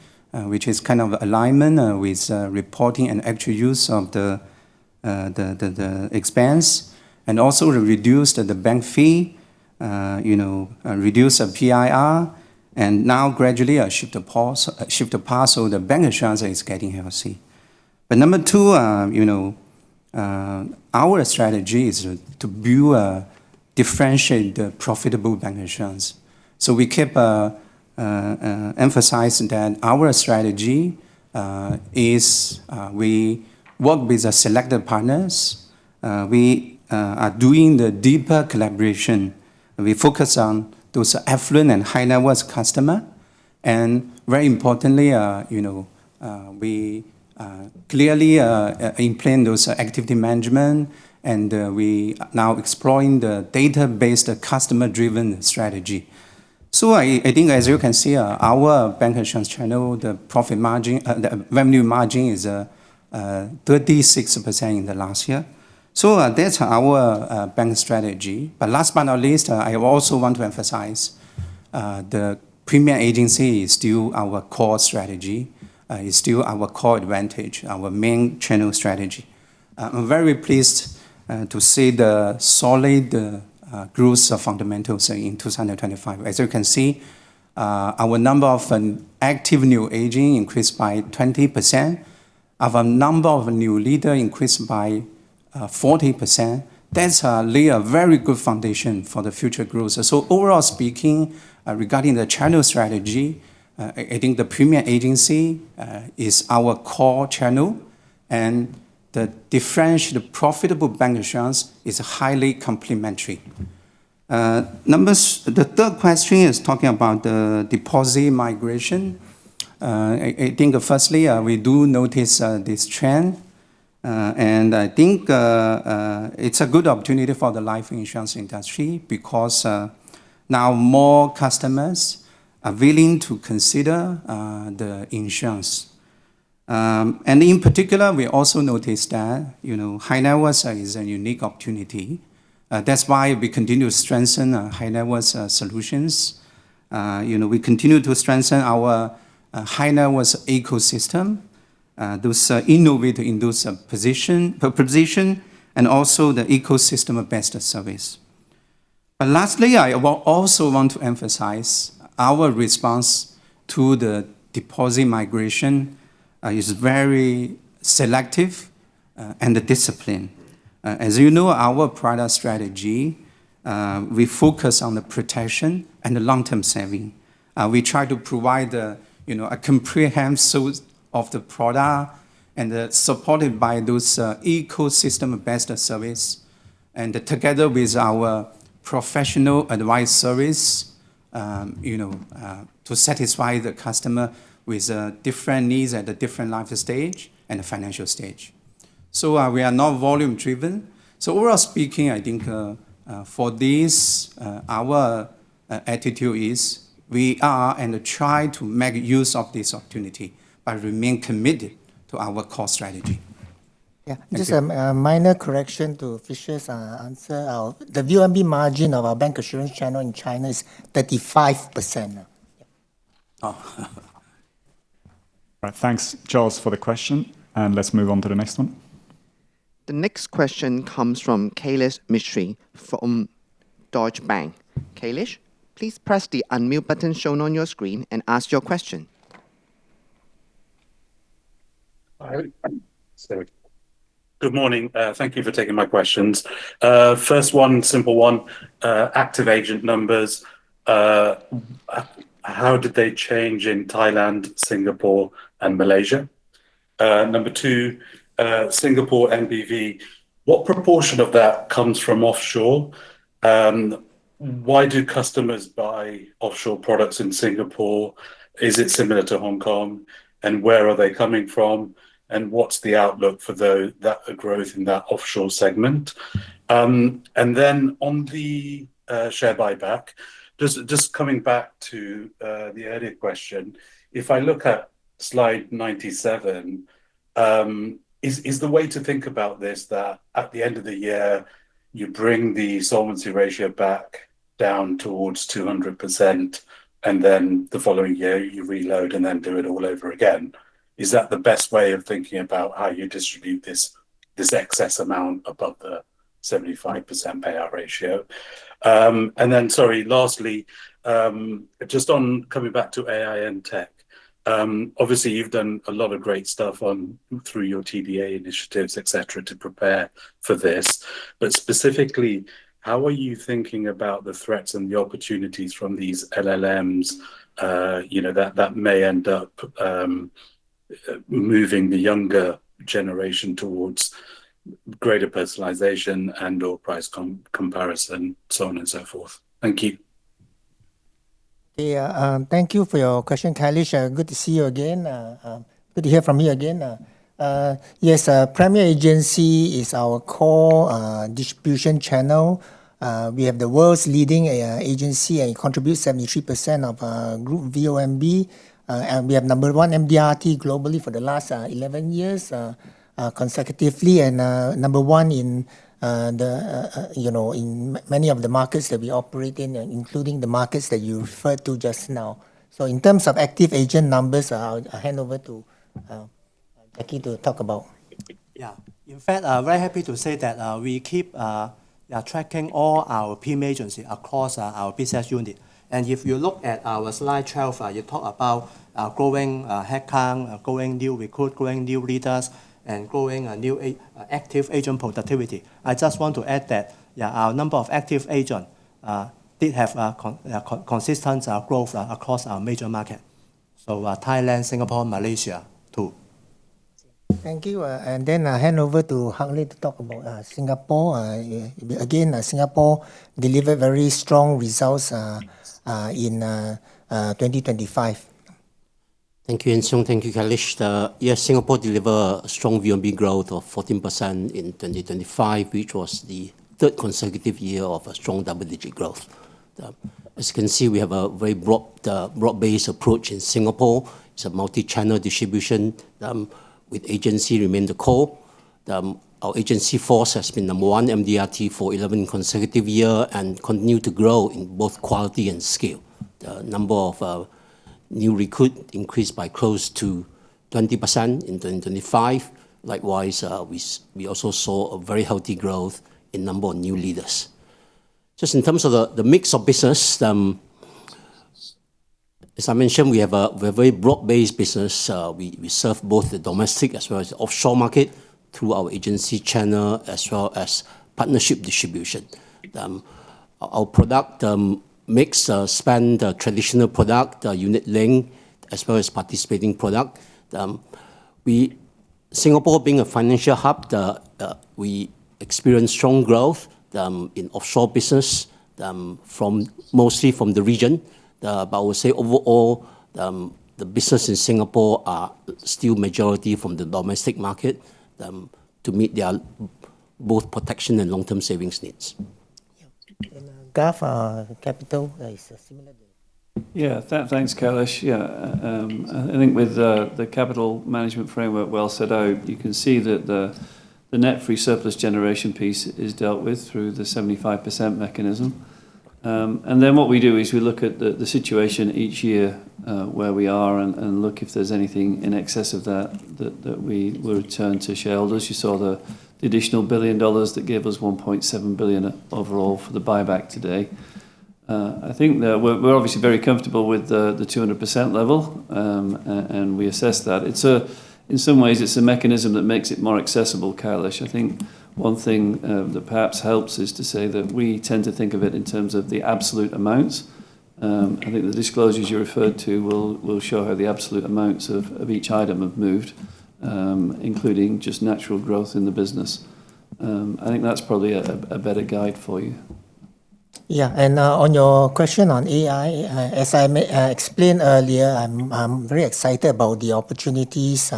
which is kind of alignment with reporting and actual use of the expense and also reduced the bank fee, you know, reduce the PIR, and now gradually a shift of power so the bancassurance is getting healthy. Number two, you know, our strategy is to build a differentiate the profitable bancassurance. We keep emphasizing that our strategy is we work with the selected partners. We are doing the deeper collaboration. We focus on those affluent and high net worth customer. Very importantly, you know, we clearly implement those activity management, and we are now exploring the data-based customer-driven strategy. I think as you can see, our bancassurance channel, the profit margin, the revenue margin is 36% in the last year. That's our bank strategy. Last but not least, I also want to emphasize the Premier Agency is still our core strategy, is still our core advantage, our main channel strategy. I'm very pleased to see the solid growth of fundamentals in 2025. As you can see, our number of an active new agent increased by 20%. The number of new leader increased by 40%. That lays a very good foundation for the future growth. Overall speaking, regarding the channel strategy, I think the Premier Agency is our core channel, and the differentiated profitable bancassurance is highly complementary. The third question is talking about the deposit migration. I think firstly, we do notice this trend. I think it's a good opportunity for the life insurance industry because now more customers are willing to consider the insurance. In particular we also noticed that, you know, high net worth is a unique opportunity. That's why we continue to strengthen our high net worth solutions. You know, we continue to strengthen our high net worth ecosystem. Those innovations in the proposition and also the ecosystem of best service. Last, I also want to emphasize our response to the deposit migration is very selective and disciplined. As you know, our product strategy, we focus on the protection and the long-term saving. We try to provide, you know, a comprehensive suite of the product and supported by those ecosystem best service and together with our professional advice service, you know, to satisfy the customer with different needs at different life stage and financial stage. We are not volume driven. Overall speaking, I think, for this, our attitude is we are and try to make use of this opportunity but remain committed to our core strategy. Yeah. Just a minor correction to Fisher's answer. The VONB margin of our bancassurance channel in China is 35%. Oh. All right. Thanks, Charles, for the question, and let's move on to the next one. The next question comes from Kailesh Mistry from Deutsche Bank. Kailesh, please press the unmute button shown on your screen and ask your question. Sorry. Good morning. Thank you for taking my questions. First one, simple one. Active agent numbers. How did they change in Thailand, Singapore, and Malaysia? Number two, Singapore MCV. What proportion of that comes from offshore? Why do customers buy offshore products in Singapore? Is it similar to Hong Kong? And where are they coming from? And what's the outlook for that growth in that offshore segment? And then on the share buyback, just coming back to the earlier question. If I look at slide 97, is the way to think about this that at the end of the year you bring the solvency ratio back down towards 200%, and then the following year you reload and then do it all over again? Is that the best way of thinking about how you distribute this excess amount above the 75% payout ratio? Sorry, lastly, just on coming back to AI and tech. Obviously you've done a lot of great stuff through your TDA initiatives, et cetera, to prepare for this. Specifically, how are you thinking about the threats and the opportunities from these LLMs, you know, that may end up moving the younger generation towards greater personalization and/or price comparison, so on and so forth? Thank you. Yeah. Thank you for your question, Kailesh. Good to see you again. Good to hear from you again. Yes, Premier Agency is our core distribution channel. We have the world's leading agency and contribute 73% of group VONB. We have number one MDRT globally for the last 11 years consecutively. Number one in many of the markets that we operate in, including the markets that you referred to just now. In terms of active agent numbers, I'll hand over to Jacky to talk about. Yeah. In fact, very happy to say that we keep tracking all our Premier Agency across our business unit. If you look at our slide 12, you talk about growing headcount, growing new recruit, growing new leaders, and growing active agent productivity. I just want to add that, yeah, our number of active agent did have consistent growth across our major market. Thailand, Singapore, Malaysia too. Thank you. I hand over to Tan Hak Leh to talk about Singapore. Again, Singapore delivered very strong results in 2025. Thank you, Lee Yuan Siong. Thank you, Kailesh. Yes, Singapore deliver a strong VONB growth of 14% in 2025, which was the third consecutive year of a strong double-digit growth. As you can see, we have a very broad-based approach in Singapore. It's a multi-channel distribution with agency remain the core. Our agency force has been number one MDRT for 11 consecutive years and continues to grow in both quality and scale. The number of new recruits increased by close to 20% in 2025. Likewise, we also saw a very healthy growth in number of new leaders. Just in terms of the mix of business, as I mentioned, we have a very broad-based business. We serve both the domestic as well as offshore market through our agency channel as well as partnership distribution. Our product mix spans the traditional product, the unit-linked, as well as participating product. Singapore being a financial hub, we experience strong growth in offshore business, mostly from the region. I would say overall, the business in Singapore are still majority from the domestic market to meet their both protection and long-term savings needs. Garth, the capital is a similar build. Yeah. Thanks, Kailesh. Yeah. I think with the capital management framework well set out, you can see that the net free surplus generation piece is dealt with through the 75% mechanism. Then what we do is we look at the situation each year, where we are and look if there's anything in excess of that we will return to shareholders. You saw the additional $1 billion that gave us $1.7 billion overall for the buyback today. I think that we're obviously very comfortable with the 200% level, and we assessed that. It's in some ways it's a mechanism that makes it more accessible, Kailesh. I think one thing that perhaps helps is to say that we tend to think of it in terms of the absolute amounts. I think the disclosures you referred to will show how the absolute amounts of each item have moved, including just natural growth in the business. I think that's probably a better guide for you. Yeah. On your question on AI, as I explained earlier, I'm very excited about the opportunities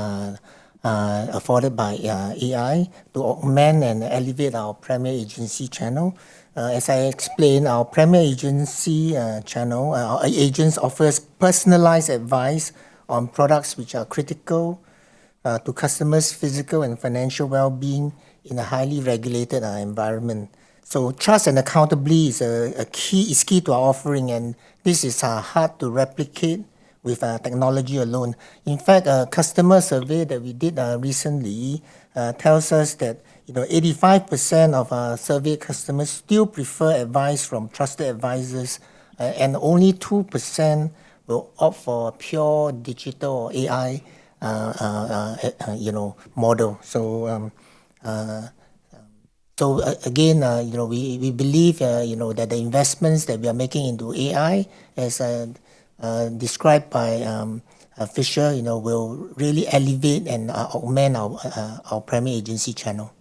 afforded by AI to augment and elevate our Premier Agency channel. As I explained, our Premier Agency channel agents offers personalized advice on products which are critical to customers' physical and financial wellbeing in a highly regulated environment. Trust and accountability is key to our offering, and this is hard to replicate with technology alone. In fact, a customer survey that we did recently tells us that, you know, 85% of our survey customers still prefer advice from trusted advisors, and only 2% will opt for a pure digital or AI, you know, model. We believe that the investments that we are making into AI, as described by Fisher, you know, will really elevate and augment our Premier Agency channel.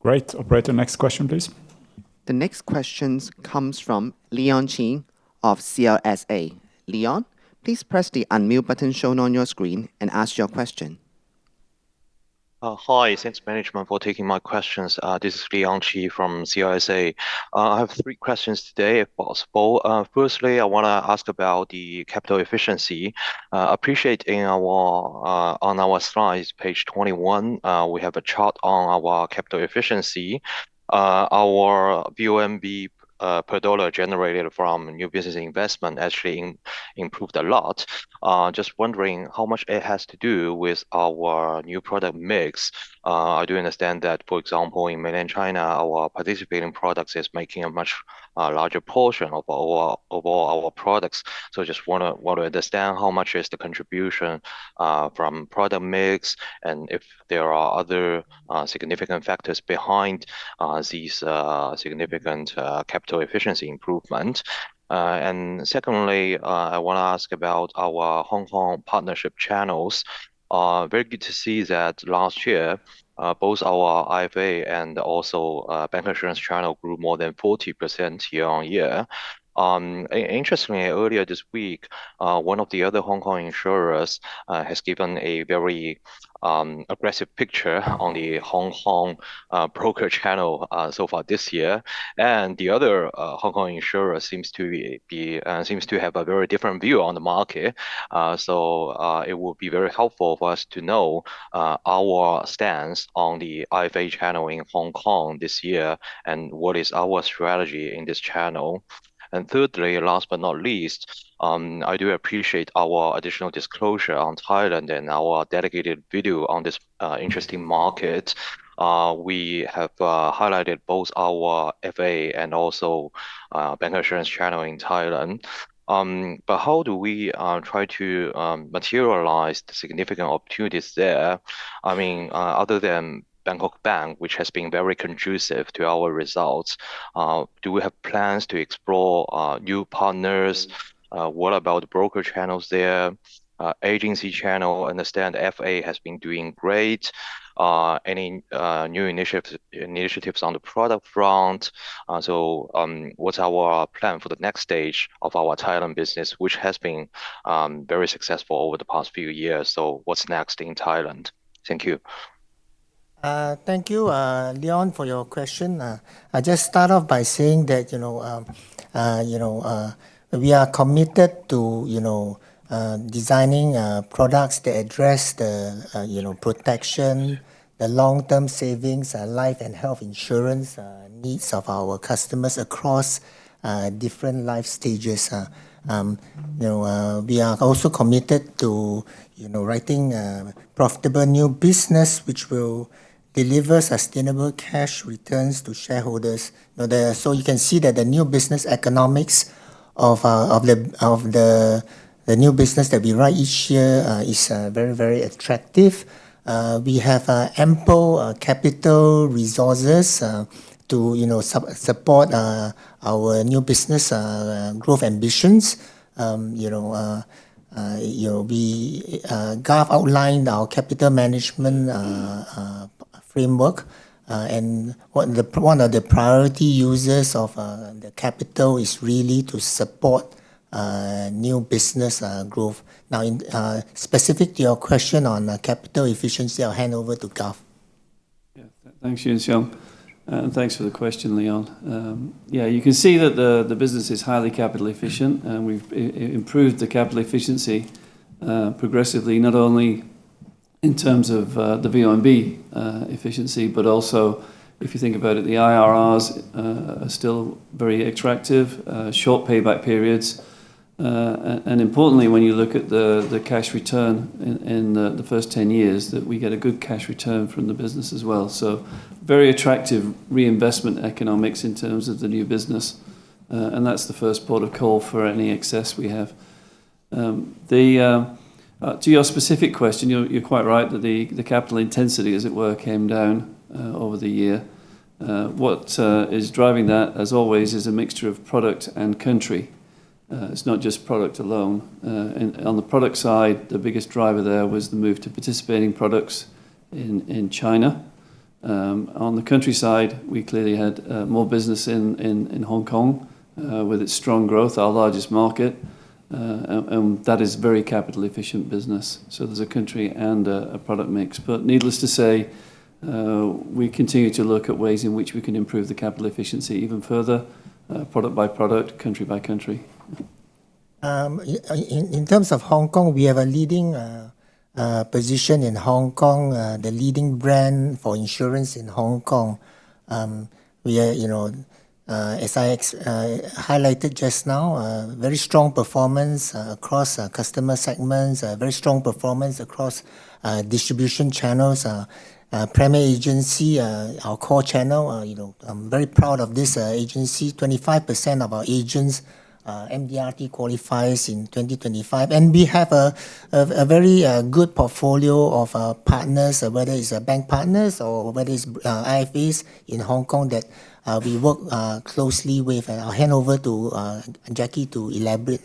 Great. Operator, next question please. The next question comes from Leon Qi of CLSA. Leon, please press the unmute button shown on your screen and ask your question. Hi. Thanks management for taking my questions. This is Leon Qi from CLSA. I have three questions today if possible. Firstly, I wanna ask about the capital efficiency. On our slides, page 21, we have a chart on our capital efficiency. Our VONB per dollar generated from new business investment actually improved a lot. Just wondering how much it has to do with our new product mix. I do understand that, for example, in Mainland China, our participating products is making a much larger portion of all our products. So just wanna understand how much is the contribution from product mix and if there are other significant factors behind these significant capital efficiency improvement. Secondly, I wanna ask about our Hong Kong partnership channels. Very good to see that last year, both our IFA and also bancassurance channel grew more than 40% year-on-year. Interestingly, earlier this week, one of the other Hong Kong insurers has given a very aggressive picture on the Hong Kong broker channel so far this year. The other Hong Kong insurer seems to have a very different view on the market. It would be very helpful for us to know our stance on the IFA channel in Hong Kong this year and what is our strategy in this channel. Thirdly, last but not least, I do appreciate our additional disclosure on Thailand and our dedicated video on this interesting market. We have highlighted both our FA and also bancassurance channel in Thailand. How do we try to materialize the significant opportunities there? I mean, other than Bangkok Bank, which has been very conducive to our results, do we have plans to explore new partners? What about broker channels there? Agency channel, understand FA has been doing great. Any new initiatives on the product front? What's our plan for the next stage of our Thailand business, which has been very successful over the past few years. What's next in Thailand? Thank you. Thank you, Leon, for your question. I just start off by saying that, you know, we are committed to, you know, designing products that address the, you know, protection, the long-term savings, life and health insurance, needs of our customers across different life stages. You know, we are also committed to, you know, writing profitable new business which will deliver sustainable cash returns to shareholders. You can see that the new business economics of the new business that we write each year is very attractive. We have ample capital resources to, you know, support our new business growth ambitions. You know, Garth outlined our capital management framework. One of the priority users of the capital is really to support new business growth. Now, in specific to your question on capital efficiency, I'll hand over to Garth. Yeah. Thanks, Lee Yuan Siong. Thanks for the question, Leon. Yeah, you can see that the business is highly capital efficient, and we've improved the capital efficiency progressively, not only in terms of the VONB efficiency, but also, if you think about it, the IRRs are still very attractive. Short payback periods. And importantly, when you look at the cash return in the first 10 years, that we get a good cash return from the business as well. Very attractive reinvestment economics in terms of the new business. That's the first port of call for any excess we have. To your specific question, you're quite right that the capital intensity, as it were, came down over the year. What is driving that, as always, is a mixture of product and country. It's not just product alone. On the product side, the biggest driver there was the move to participating products in China. On the country side, we clearly had more business in Hong Kong with its strong growth, our largest market. That is very capital efficient business. There's a country and a product mix. Needless to say, we continue to look at ways in which we can improve the capital efficiency even further, product by product, country by country. In terms of Hong Kong, we have a leading position in Hong Kong. The leading brand for insurance in Hong Kong. We are, you know, as I highlighted just now, very strong performance across customer segments. Very strong performance across distribution channels. Premier Agency, our core channel, you know, I'm very proud of this agency. 25% of our agents MDRT qualifies in 2025. We have a very good portfolio of partners, whether it's bank partners or whether it's IFAs in Hong Kong that we work closely with. I'll hand over to Jacky to elaborate.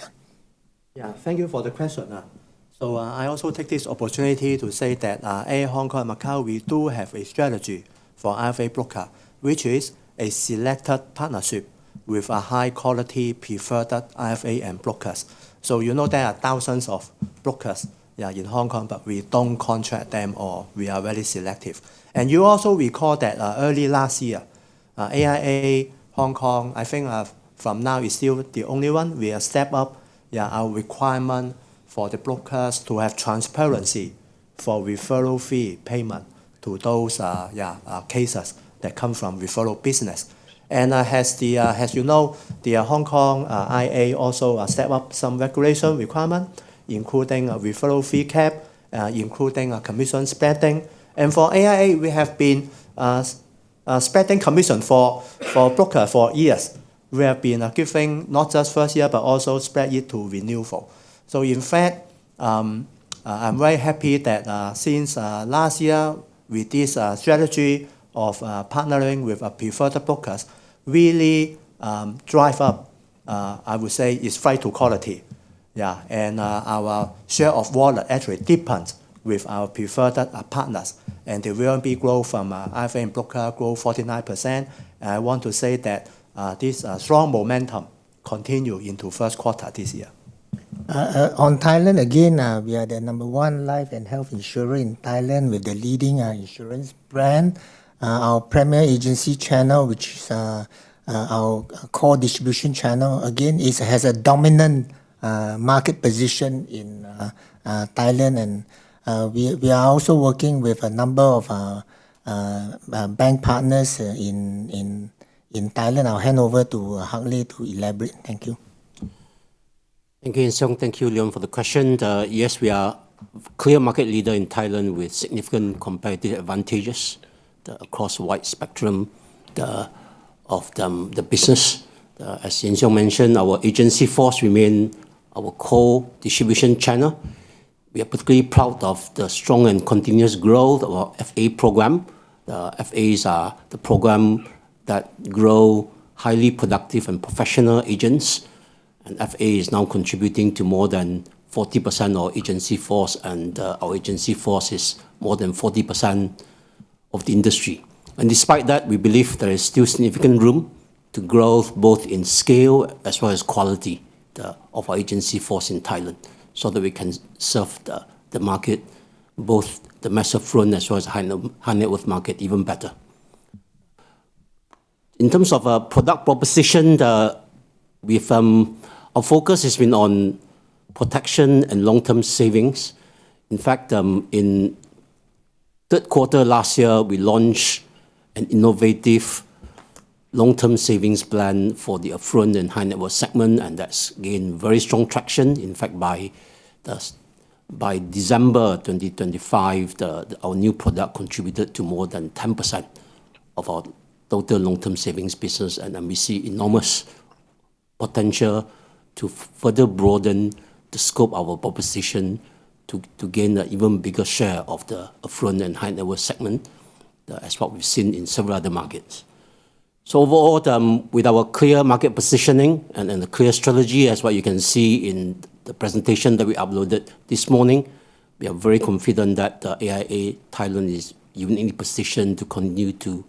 Thank you for the question. I also take this opportunity to say that, AIA Hong Kong and Macau, we do have a strategy for IFA broker, which is a selected partnership with a high quality preferred IFA and brokers. You know there are thousands of brokers in Hong Kong, but we don't contract them all. We are very selective. You also recall that, early last year, AIA Hong Kong, I think, to now is still the only one, we have stepped up our requirement for the brokers to have transparency for referral fee payment to those cases that come from referral business. As you know, the Hong Kong IA also step up some regulation requirement, including a referral fee cap, including a commission sharing. For AIA, we have been spreading commission for brokers for years. We have been giving not just first year, but also spread it to renewal. In fact, I'm very happy that since last year with this strategy of partnering with our preferred brokers really drive up, I would say it's flight to quality. Yeah. Our share of wallet actually deepens with our preferred partners. The VNB growth from IFA and broker grew 49%. I want to say that this strong momentum continues into first quarter this year. On Thailand, again, we are the number one life and health insurer in Thailand with the leading insurance brand. Our Premier Agency channel, which is our core distribution channel, again, has a dominant market position in Thailand. We are also working with a number of bank partners in Thailand. I'll hand over to Tan Hak Leh to elaborate. Thank you. Thank you, Lee Yuan Siong. Thank you, Leon, for the question. Yes, we are clear market leader in Thailand with significant competitive advantages across wide spectrum of the business. As Lee Yuan Siong mentioned, our agency force remain our core distribution channel. We are particularly proud of the strong and continuous growth of our FA program. FAs are the program that grow highly productive and professional agents. FA is now contributing to more than 40% of agency force, and our agency force is more than 40% of the industry. Despite that, we believe there is still significant room To grow both in scale as well as quality of our agency force in Thailand, so that we can serve the market, both the mass market as well as high net worth market even better. In terms of our product proposition, our focus has been on protection and long-term savings. In fact, in third quarter last year, we launched an innovative long-term savings plan for the affluent and high net worth segment, and that's gained very strong traction. In fact, by December 2025, our new product contributed to more than 10% of our total long-term savings business. We see enormous potential to further broaden the scope of our proposition to gain a even bigger share of the affluent and high net worth segment, as we've seen in several other markets. Overall, with our clear market positioning and the clear strategy, as what you can see in the presentation that we uploaded this morning, we are very confident that AIA Thailand is uniquely positioned to continue to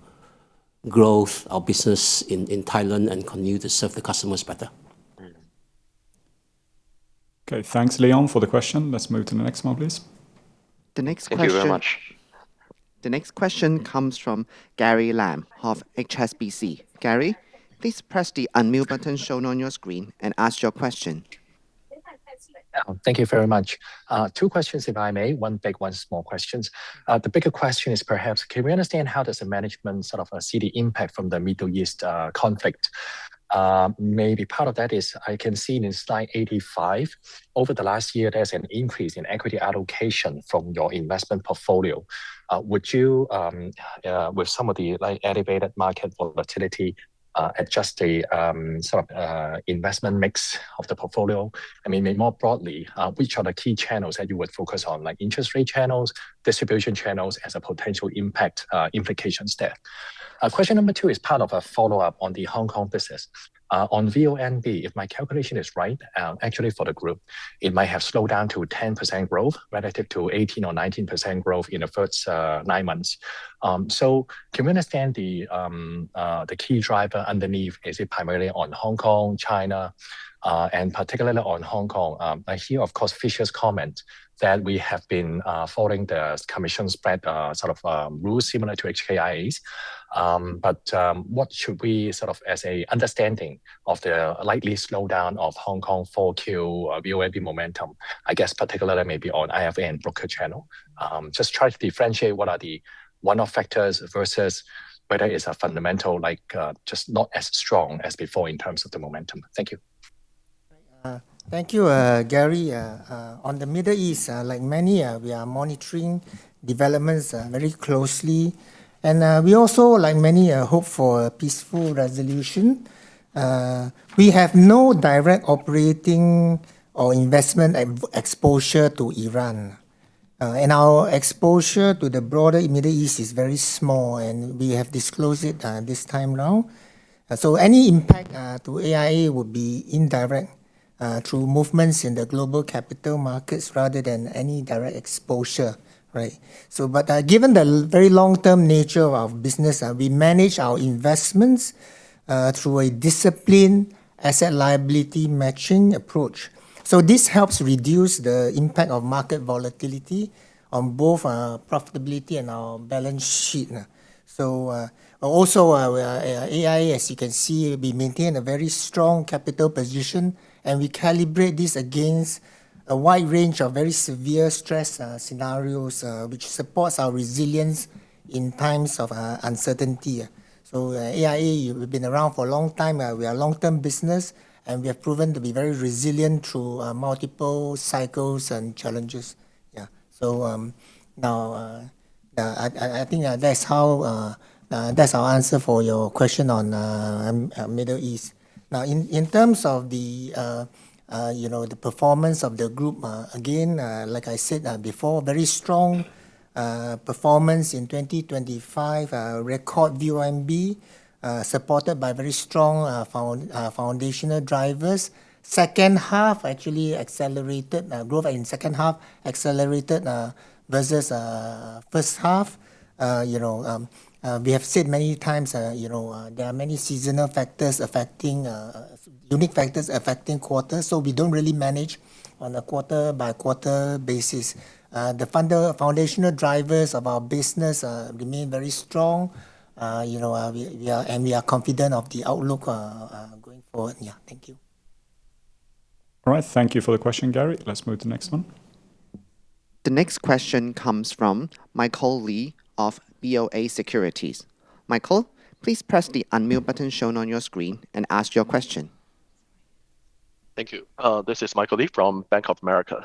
growth our business in Thailand and continue to serve the customers better. Okay. Thanks, Leon Qi, for the question. Let's move to the next one, please. The next question. Thank you very much. The next question comes from Gary Lam of HSBC. Gary, please press the unmute button shown on your screen and ask your question. Thank you very much. Two questions if I may. One big, one small questions. The bigger question is perhaps can we understand how does the management sort of see the impact from the Middle East conflict? Maybe part of that is I can see in slide 85, over the last year, there's an increase in equity allocation from your investment portfolio. Would you, with some of the, like, elevated market volatility, adjust a sort of investment mix of the portfolio? I mean, maybe more broadly, which are the key channels that you would focus on, like interest rate channels, distribution channels, as a potential impact implications there? Question number two is part of a follow-up on the Hong Kong business. On VONB, if my calculation is right, actually for the group, it might have slowed down to a 10% growth relative to 18% or 19% growth in the first nine months. So can we understand the key driver underneath? Is it primarily on Hong Kong, China, and particularly on Hong Kong? I hear, of course, Fisher's comment that we have been following the commission's spread sort of rules similar to HKIA's. But what should we sort of as a understanding of the likely slowdown of Hong Kong 4Q VONB momentum? I guess particularly maybe on IFA and broker channel. Just try to differentiate what are the one-off factors versus whether it's a fundamental like just not as strong as before in terms of the momentum. Thank you. Thank you, Gary. On the Middle East, like many, we are monitoring developments very closely. We also, like many, hope for a peaceful resolution. We have no direct operating or investment exposure to Iran. Our exposure to the broader Middle East is very small, and we have disclosed it this time around. Any impact to AIA would be indirect through movements in the global capital markets rather than any direct exposure. Right? But given the very long-term nature of our business, we manage our investments through a disciplined asset liability matching approach. This helps reduce the impact of market volatility on both our profitability and our balance sheet. Also our AIA, as you can see, we maintain a very strong capital position, and we calibrate this against a wide range of very severe stress scenarios, which supports our resilience in times of uncertainty. AIA, we've been around for a long time. We are long-term business, and we have proven to be very resilient through multiple cycles and challenges. Yeah. Now, I think that's our answer for your question on Middle East. Now in terms of the, you know, the performance of the group, again, like I said, before, very strong performance in 2025. Record VONB, supported by very strong foundational drivers. Second half actually accelerated growth in second half versus first half. You know, we have said many times, you know, there are many seasonal factors and unique factors affecting quarters. So we don't really manage on a quarter-by-quarter basis. The foundational drivers of our business remain very strong. You know, we are confident of the outlook going forward. Yeah. Thank you. All right. Thank you for the question, Gary. Let's move to the next one. The next question comes from Michael Li of BofA Securities. Michael, please press the unmute button shown on your screen and ask your question. Thank you. This is Michael Li from Bank of America.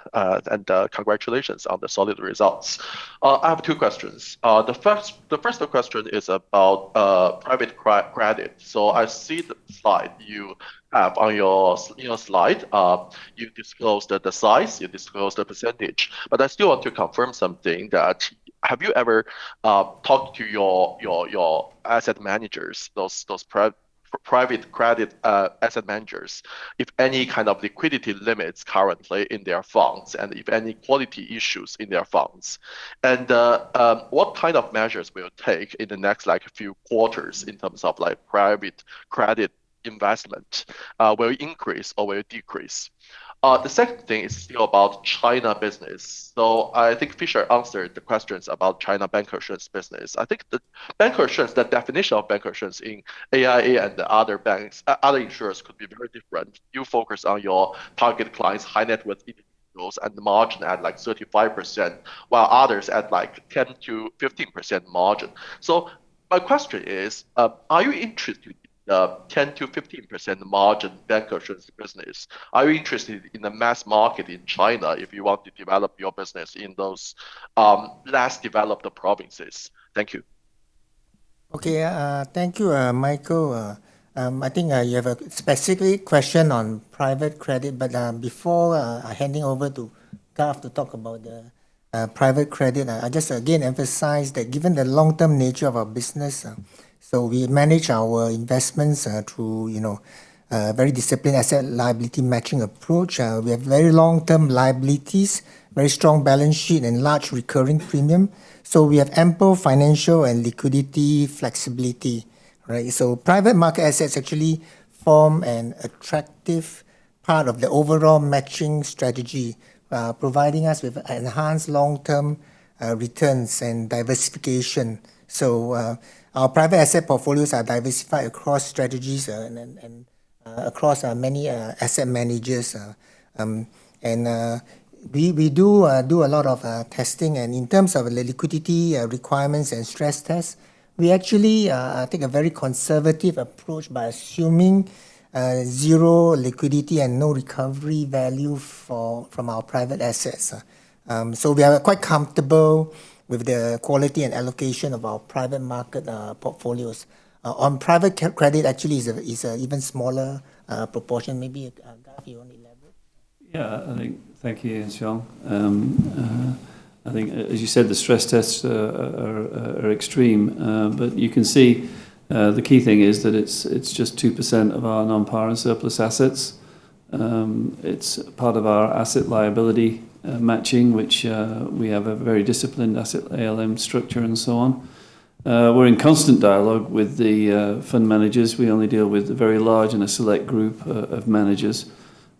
Congratulations on the solid results. I have two questions. The first question is about private credit. I see the slide you have in your slide. You've disclosed the size, you've disclosed the percentage. I still want to confirm something that have you ever talked to your asset managers, those private credit asset managers, if any kind of liquidity limits currently in their funds, and if any quality issues in their funds? What kind of measures will take in the next, like, few quarters in terms of, like, private credit investment? Will it increase or will it decrease? The second thing is still about China business. I think Fisher answered the questions about China bancassurance business. I think the bancassurance, the definition of bancassurance in AIA and other insurers could be very different. You focus on your target clients, high net worth individuals, and the margin at, like, 35%, while others at, like, 10%-15% margin. My question is, are you interested in the 10%-15% margin bancassurance business? Are you interested in the mass market in China if you want to develop your business in those less developed provinces? Thank you. Okay. Thank you, Michael. I think you have a specific question on private credit, but before handing over to Garth to talk about the private credit, I just again emphasize that given the long-term nature of our business, we manage our investments through, you know, a very disciplined asset liability matching approach. We have very long-term liabilities, very strong balance sheet, and large recurring premium. We have ample financial and liquidity flexibility, right? Private market assets actually form an attractive part of the overall matching strategy, providing us with enhanced long-term returns and diversification. Our private asset portfolios are diversified across strategies and across many asset managers. And we do a lot of testing. In terms of liquidity requirements and stress tests, we actually take a very conservative approach by assuming zero liquidity and no recovery value from our private assets. So we are quite comfortable with the quality and allocation of our private market portfolios. On private credit actually is an even smaller proportion. Maybe, Garth, you wanna elaborate? Yeah. Thank you, Lee Yuan Siong. I think as you said, the stress tests are extreme. You can see the key thing is that it's just 2% of our non-par and surplus assets. It's part of our asset liability matching, which we have a very disciplined asset ALM structure and so on. We're in constant dialogue with the fund managers. We only deal with a very large and a select group of managers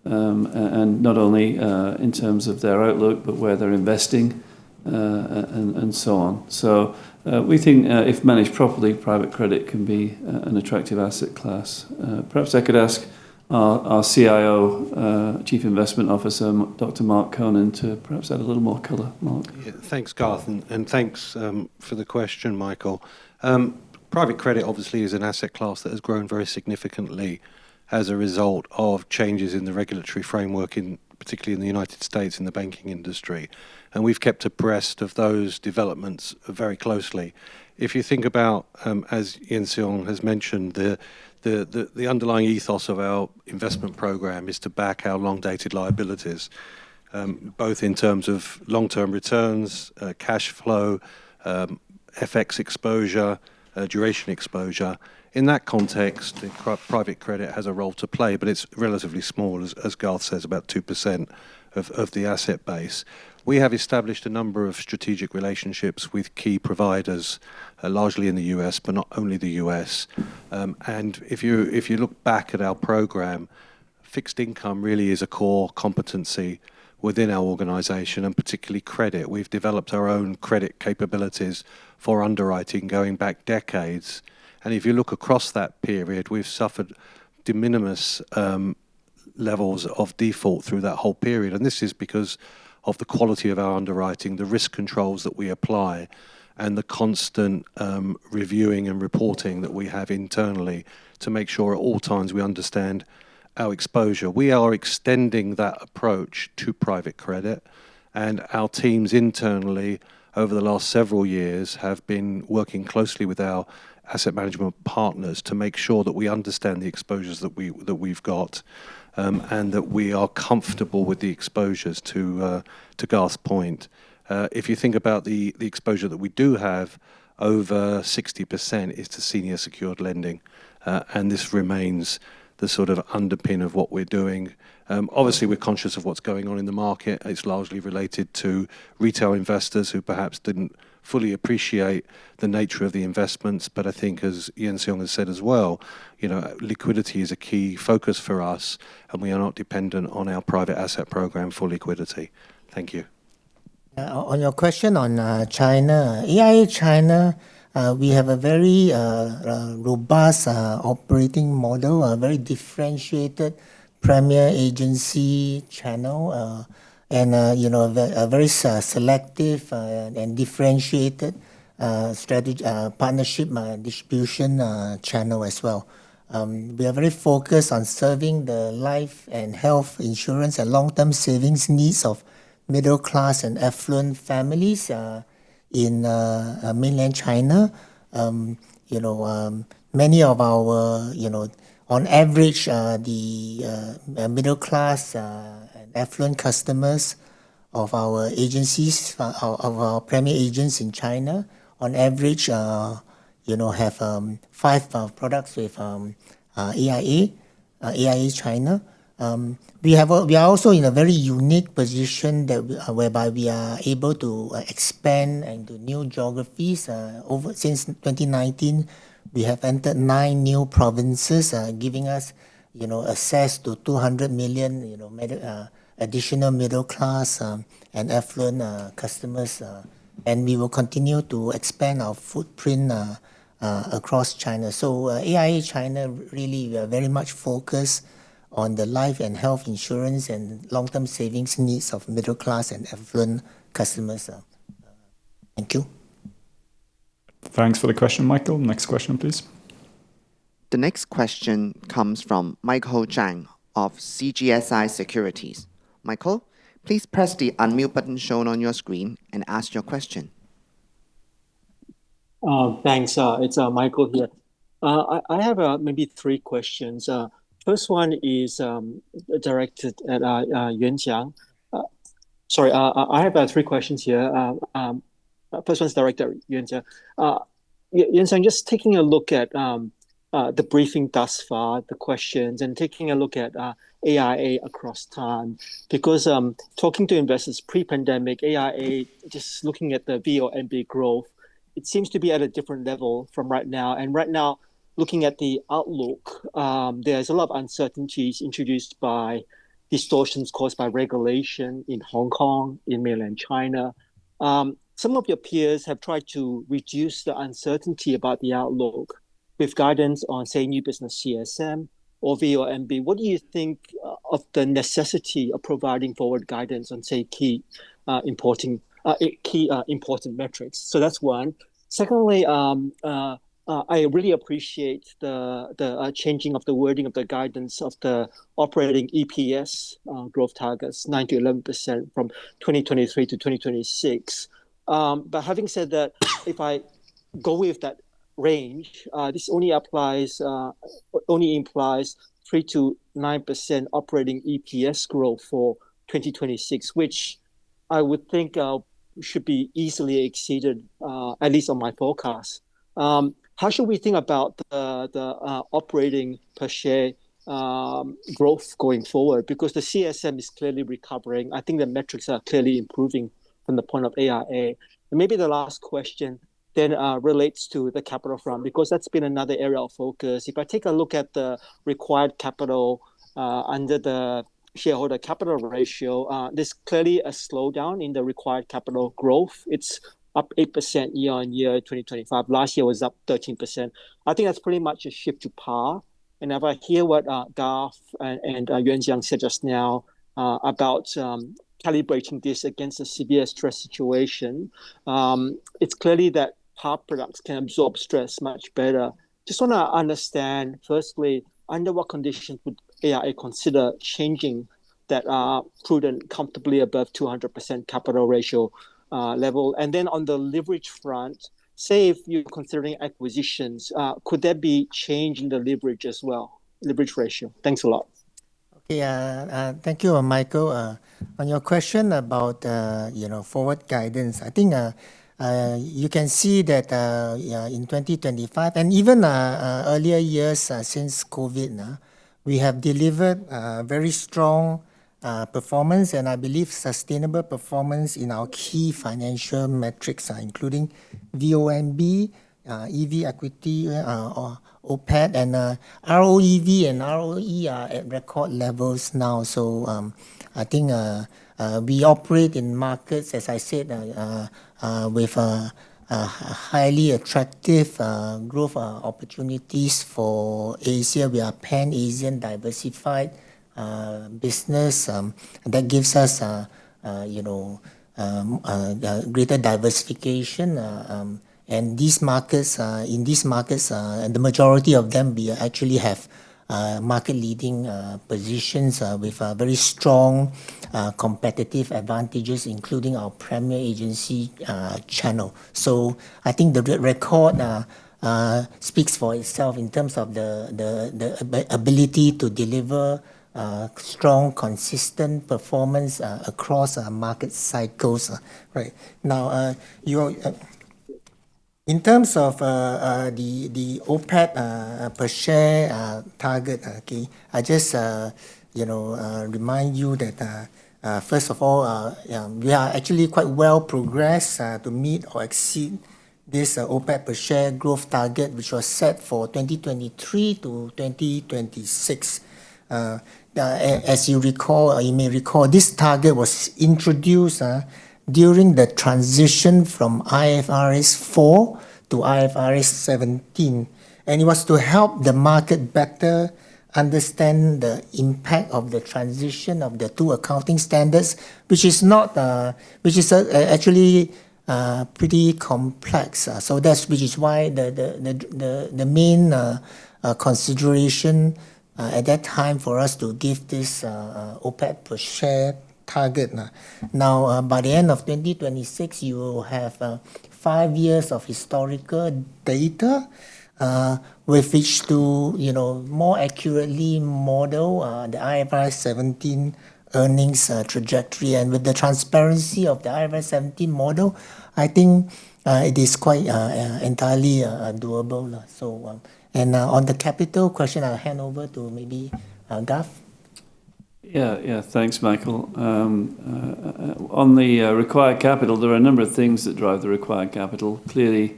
and not only in terms of their outlook, but where they're investing, and so on. We think if managed properly, private credit can be an attractive asset class. Perhaps I could ask our CIO, Chief Investment Officer, Dr. Mark Konyn, to perhaps add a little more color. Mark? Yeah. Thanks, Garth. And thanks for the question, Michael. Private credit obviously is an asset class that has grown very significantly as a result of changes in the regulatory framework particularly in the United States and the banking industry. We've kept abreast of those developments very closely. If you think about, as Lee Yuan Siong has mentioned, the underlying ethos of our investment program is to back our long-dated liabilities both in terms of long-term returns, cash flow, FX exposure, duration exposure. In that context, private credit has a role to play, but it's relatively small, as Garth says, about 2% of the asset base. We have established a number of strategic relationships with key providers largely in the U.S., but not only the U.S. If you look back at our program, fixed income really is a core competency within our organization, and particularly credit. We've developed our own credit capabilities for underwriting going back decades. If you look across that period, we've suffered de minimis levels of default through that whole period. This is because of the quality of our underwriting, the risk controls that we apply, and the constant reviewing and reporting that we have internally to make sure at all times we understand our exposure. We are extending that approach to private credit, and our teams internally over the last several years have been working closely with our asset management partners to make sure that we understand the exposures that we've got, and that we are comfortable with the exposures, to Garth's point. If you think about the exposure that we do have, over 60% is to senior secured lending, and this remains the sort of underpin of what we're doing. Obviously we're conscious of what's going on in the market. It's largely related to retail investors who perhaps didn't fully appreciate the nature of the investments. I think as Lee Yuan Siong has said as well, you know, liquidity is a key focus for us, and we are not dependent on our private asset program for liquidity. Thank you. On your question on China. AIA China, we have a very robust operating model, a very differentiated Premier Agency channel. You know, a very selective and differentiated partnership distribution channel as well. We are very focused on serving the life and health insurance and long-term savings needs of middle class and affluent families in mainland China. You know, many of our, you know, on average, the middle class and affluent customers of our agencies, of our Premier agents in China, on average, you know, have five products with AIA China. We are also in a very unique position whereby we are able to expand into new geographies. Since 2019, we have entered nine new provinces, giving us, you know, access to 200 million, you know, additional middle class and affluent customers. We will continue to expand our footprint across China. AIA China really we are very much focused on the life and health insurance and long-term savings needs of middle class and affluent customers. Thank you. Thanks for the question, Michael. Next question, please. The next question comes from Michael Chang of CGS International Securities. Michael, please press the unmute button shown on your screen and ask your question. Thanks. It's Michael here. I have maybe three questions. First one is directed at Lee Yuan Siong. Sorry, I have three questions here. First one's directed at Lee Yuan Siong. Lee Yuan Siong, just taking a look at the briefing thus far, the questions, and taking a look at AIA across time. Because talking to investors pre-pandemic, AIA, just looking at the VONB growth, it seems to be at a different level from right now. Right now, looking at the outlook, there's a lot of uncertainties introduced by distortions caused by regulation in Hong Kong, in mainland China. Some of your peers have tried to reduce the uncertainty about the outlook with guidance on, say, new business CSM or VONB. What do you think of the necessity of providing forward guidance on, say, key important metrics? That's one. Secondly, I really appreciate the changing of the wording of the guidance of the operating EPS growth targets, 9%-11% from 2023 to 2026. Having said that, if I go with that range, this only implies 3%-9% operating EPS growth for 2026, which I would think should be easily exceeded, at least on my forecast. How should we think about the operating EPS growth going forward? Because the CSM is clearly recovering. I think the metrics are clearly improving from the point of AIA. Maybe the last question then relates to the capital front, because that's been another area of focus. If I take a look at the required capital under the shareholder capital ratio, there's clearly a slowdown in the required capital growth. It's up 8% year-on-year 2025. Last year was up 13%. I think that's pretty much a shift to par. If I hear what Garth and Lee Yuan Siong said just now about calibrating this against a severe stress situation, it's clear that par products can absorb stress much better. Just wanna understand, firstly, under what conditions would AIA consider changing that prudent comfortably above 200% capital ratio level? Then on the leverage front, say if you're considering acquisitions, could there be change in the leverage as well, leverage ratio? Thanks a lot. Yeah. Thank you, Michael. On your question about, you know, forward guidance, I think you can see that in 2025 and even earlier years since COVID, we have delivered very strong performance, and I believe sustainable performance in our key financial metrics, including VONB, EV Equity, or OPAT and ROEV and ROE are at record levels now. I think we operate in markets, as I said, with highly attractive growth opportunities for Asia. We are pan-Asian diversified business that gives us, you know, greater diversification. In these markets, the majority of them we actually have market leading positions with very strong competitive advantages, including our Premier Agency channel. I think the track record speaks for itself in terms of the ability to deliver strong, consistent performance across market cycles. Right. Now, in terms of the OPAT per share target, I just you know remind you that first of all, we are actually quite well progressed to meet or exceed this OPAT per share growth target, which was set for 2023-2026. As you recall or you may recall, this target was introduced during the transition from IFRS 4 to IFRS 17, and it was to help the market better understand the impact of the transition of the two accounting standards, which is actually pretty complex. So that's why the main consideration at that time for us to give this OPAT per share target. Now, by the end of 2026, you will have five years of historical data with which to, you know, more accurately model the IFRS 17 earnings trajectory. With the transparency of the IFRS 17 model, I think it is quite entirely doable. On the capital question, I'll hand over to maybe Garth. Yeah, yeah. Thanks, Michael. On the required capital, there are a number of things that drive the required capital. Clearly,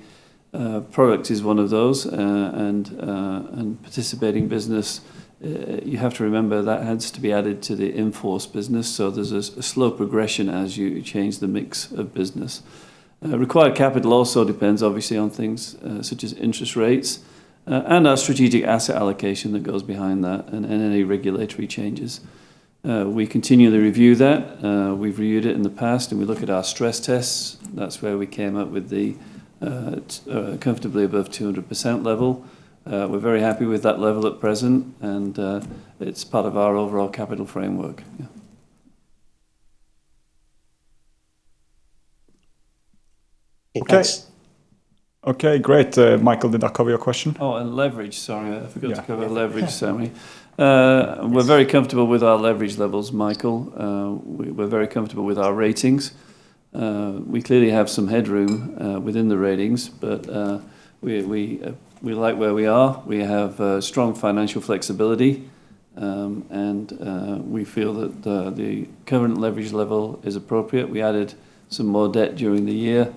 product is one of those. Participating business, you have to remember that has to be added to the in-force business. There's a slow progression as you change the mix of business. Required capital also depends obviously on things such as interest rates and our strategic asset allocation that goes behind that and any regulatory changes. We continually review that. We've reviewed it in the past, and we look at our stress tests. That's where we came up with the comfortably above 200% level. We're very happy with that level at present, and it's part of our overall capital framework. Yeah. Okay. Okay, great. Michael, did that cover your question? Leverage. Sorry. I forgot to cover leverage, Sami. We're very comfortable with our leverage levels, Michael. We're very comfortable with our ratings. We clearly have some headroom within the ratings, but we like where we are. We have strong financial flexibility, and we feel that the current leverage level is appropriate. We added some more debt during the year,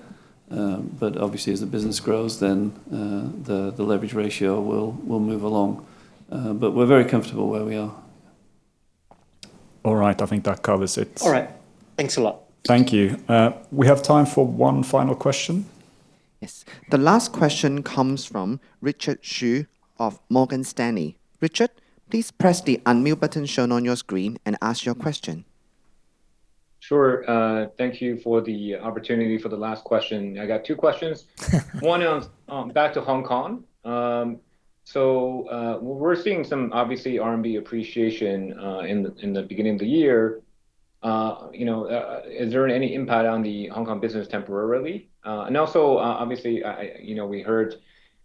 but obviously, as the business grows, the leverage ratio will move along. We're very comfortable where we are. All right. I think that covers it. All right. Thanks a lot. Thank you. We have time for one final question. Yes. The last question comes from Richard Xu of Morgan Stanley. Richard, please press the unmute button shown on your screen and ask your question. Sure. Thank you for the opportunity for the last question. I got two questions. One on back to Hong Kong. We're seeing some obviously RMB appreciation in the beginning of the year. You know, is there any impact on the Hong Kong business temporarily? Also, obviously, you know, we heard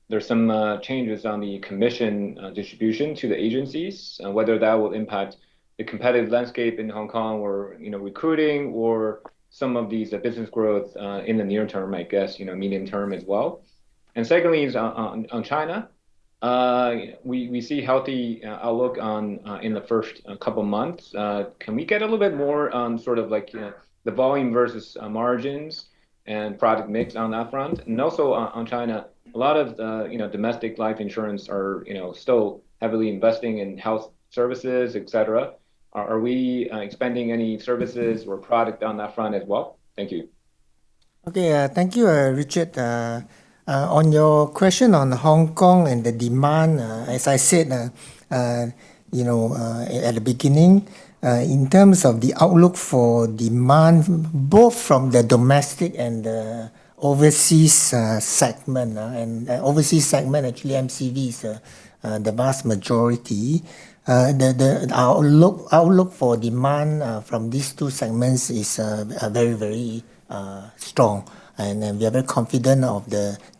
there's some changes on the commission distribution to the agencies and whether that will impact the competitive landscape in Hong Kong or, you know, recruiting or some of these business growth in the near term, I guess, you know, medium term as well. Secondly is on China. We see healthy outlook in the first couple months. Can we get a little bit more on sort of like the volume versus margins and product mix on that front? Also on China, a lot of the, you know, domestic life insurance are, you know, still heavily investing in health services, et cetera. Are we expanding any services or product on that front as well? Thank you. Okay. Thank you, Richard. On your question on Hong Kong and the demand, as I said, you know, at the beginning, in terms of the outlook for demand, both from the domestic and the overseas segment, and overseas segment, actually MCV is the vast majority. Our outlook for demand from these two segments is very strong. We are very confident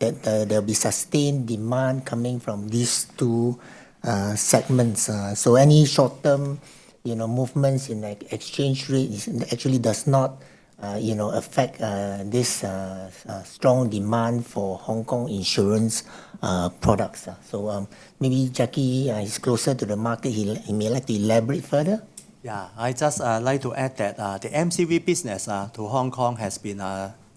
that there'll be sustained demand coming from these two segments. Any short-term, you know, movements in like exchange rate is actually does not, you know, affect this strong demand for Hong Kong insurance products. Maybe Jacky, he's closer to the market. He may like to elaborate further. Yeah. I just like to add that the MCV business to Hong Kong has been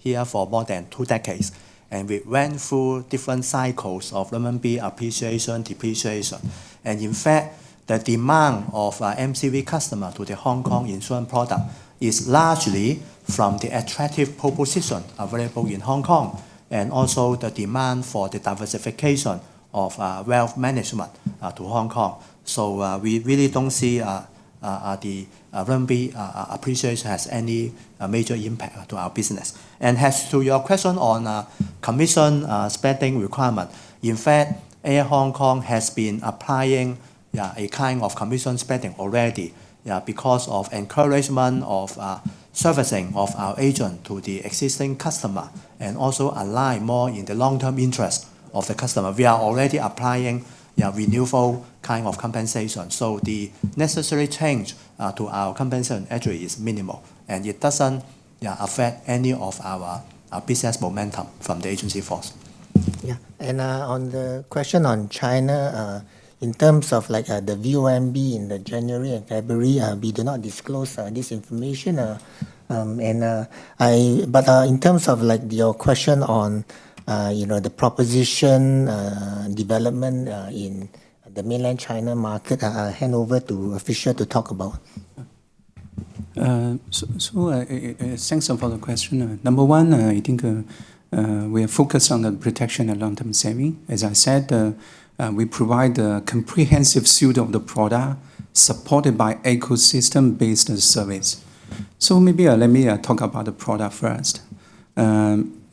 here for more than two decades, and we went through different cycles of RMB appreciation, depreciation. In fact, the demand of MCV customer to the Hong Kong insurance product is largely from the attractive proposition available in Hong Kong and also the demand for the diversification of wealth management to Hong Kong. We really don't see the RMB appreciation has any major impact to our business. As to your question on commission spending requirement. In fact, AIA Hong Kong has been applying a kind of commission spending already because of encouragement of servicing of our agent to the existing customer and also align more in the long-term interest of the customer. We are already applying, yeah, renewal kind of compensation. The necessary change to our compensation actually is minimal, and it doesn't, yeah, affect any of our business momentum from the agency force. Yeah. On the question on China, in terms of like, the VONB in the January and February, we do not disclose this information. In terms of like your question on, you know, the proposition development in the mainland China market, I'll hand over to Fisher to talk about. Thanks for the question. Number one, I think, we are focused on the protection and long-term saving. As I said, we provide a comprehensive suite of the product supported by ecosystem-based service. Maybe let me talk about the product first.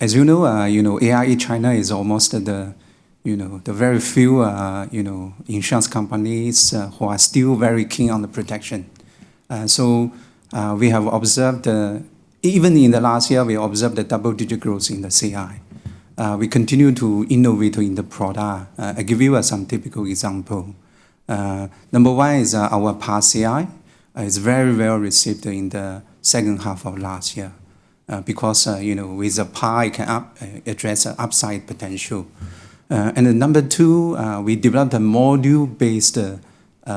As you know, you know, AIA China is almost the, you know, the very few, you know, insurance companies, who are still very keen on the protection. We have observed, even in the last year, a double-digit growth in the CI. We continue to innovate in the product. I give you some typical example. Number one is our par CI is very well received in the second half of last year because you know address the upside potential. Number two we developed a module-based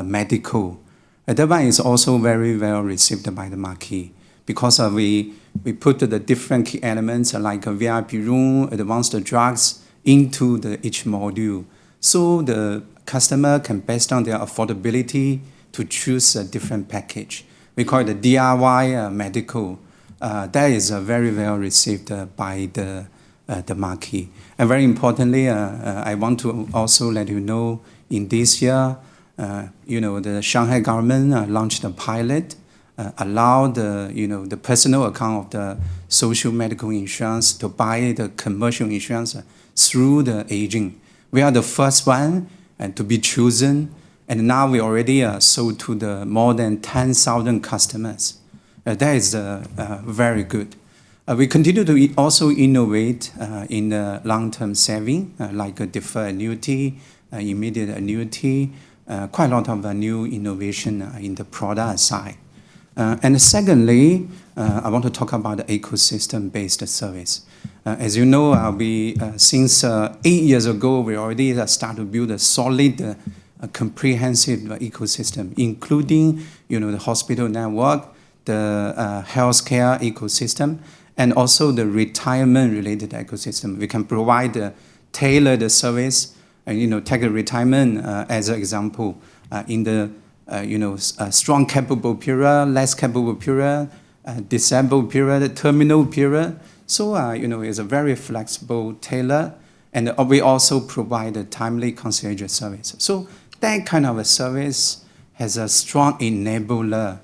medical. That one is also very well received by the market because we put the different key elements like a VIP room, advanced drugs, into each module, so the customer can, based on their affordability, to choose a different package. We call it the DIY medical. That is very well received by the market. Very importantly, I want to also let you know in this year, you know, the Shanghai government launched a pilot allow the, you know, the personal account of the social medical insurance to buy the commercial insurance through AIA. We are the first one to be chosen, and now we already sold to the more than 10,000 customers. That is very good. We continue to also innovate in the long-term saving like a deferred annuity, immediate annuity, quite a lot of the new innovation in the product side. Secondly, I want to talk about ecosystem-based service. As you know, since eight years ago, we already start to build a solid, comprehensive ecosystem, including, you know, the hospital network, the, healthcare ecosystem, and also the retirement related ecosystem. We can provide, tailored service, you know, take a retirement, as an example, in the, you know, strong capable period, less capable period, disabled period, terminal period. So, you know, it's a very flexible tailor and, we also provide a timely concierge service. So that kind of a service has a strong enabler,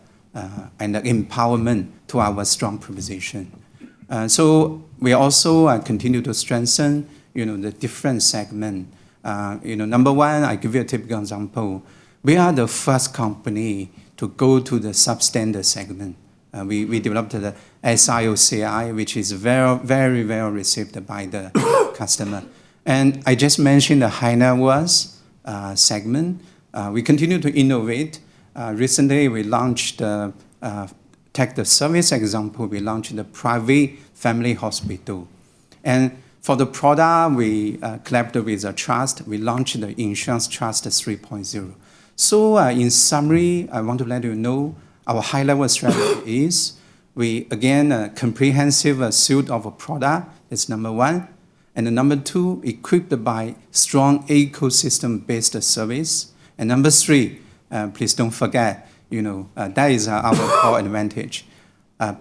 and empowerment to our strong proposition. So we also, continue to strengthen, you know, the different segment. You know, number one, I give you a typical example. We are the first company to go to the substandard segment. We developed the SIOCI, which is very, very well received by the customer. I just mentioned the high net worth segment. We continue to innovate. Recently we launched, take the service example, we launched the private family hospital service. For the product, we collaborated with a trust. We launched the Insurance Trust 3.0. In summary, I want to let you know our high-level strategy is we, again, a comprehensive suite of a product is number one. Then number two, equipped by strong ecosystem-based service. Number three, please don't forget, you know, that is our advantage,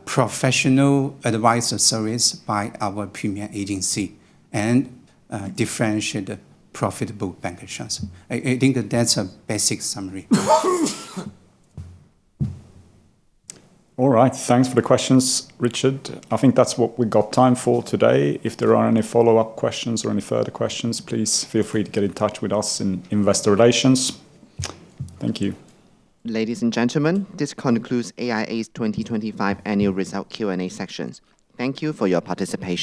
professional advisor service by our Premier Agency and differentiate profitable bancassurance. I think that that's a basic summary. All right. Thanks for the questions, Richard. I think that's what we've got time for today. If there are any follow-up questions or any further questions, please feel free to get in touch with us in Investor Relations. Thank you. Ladies and gentlemen, this concludes AIA's 2025 annual result Q&A sessions. Thank you for your participation.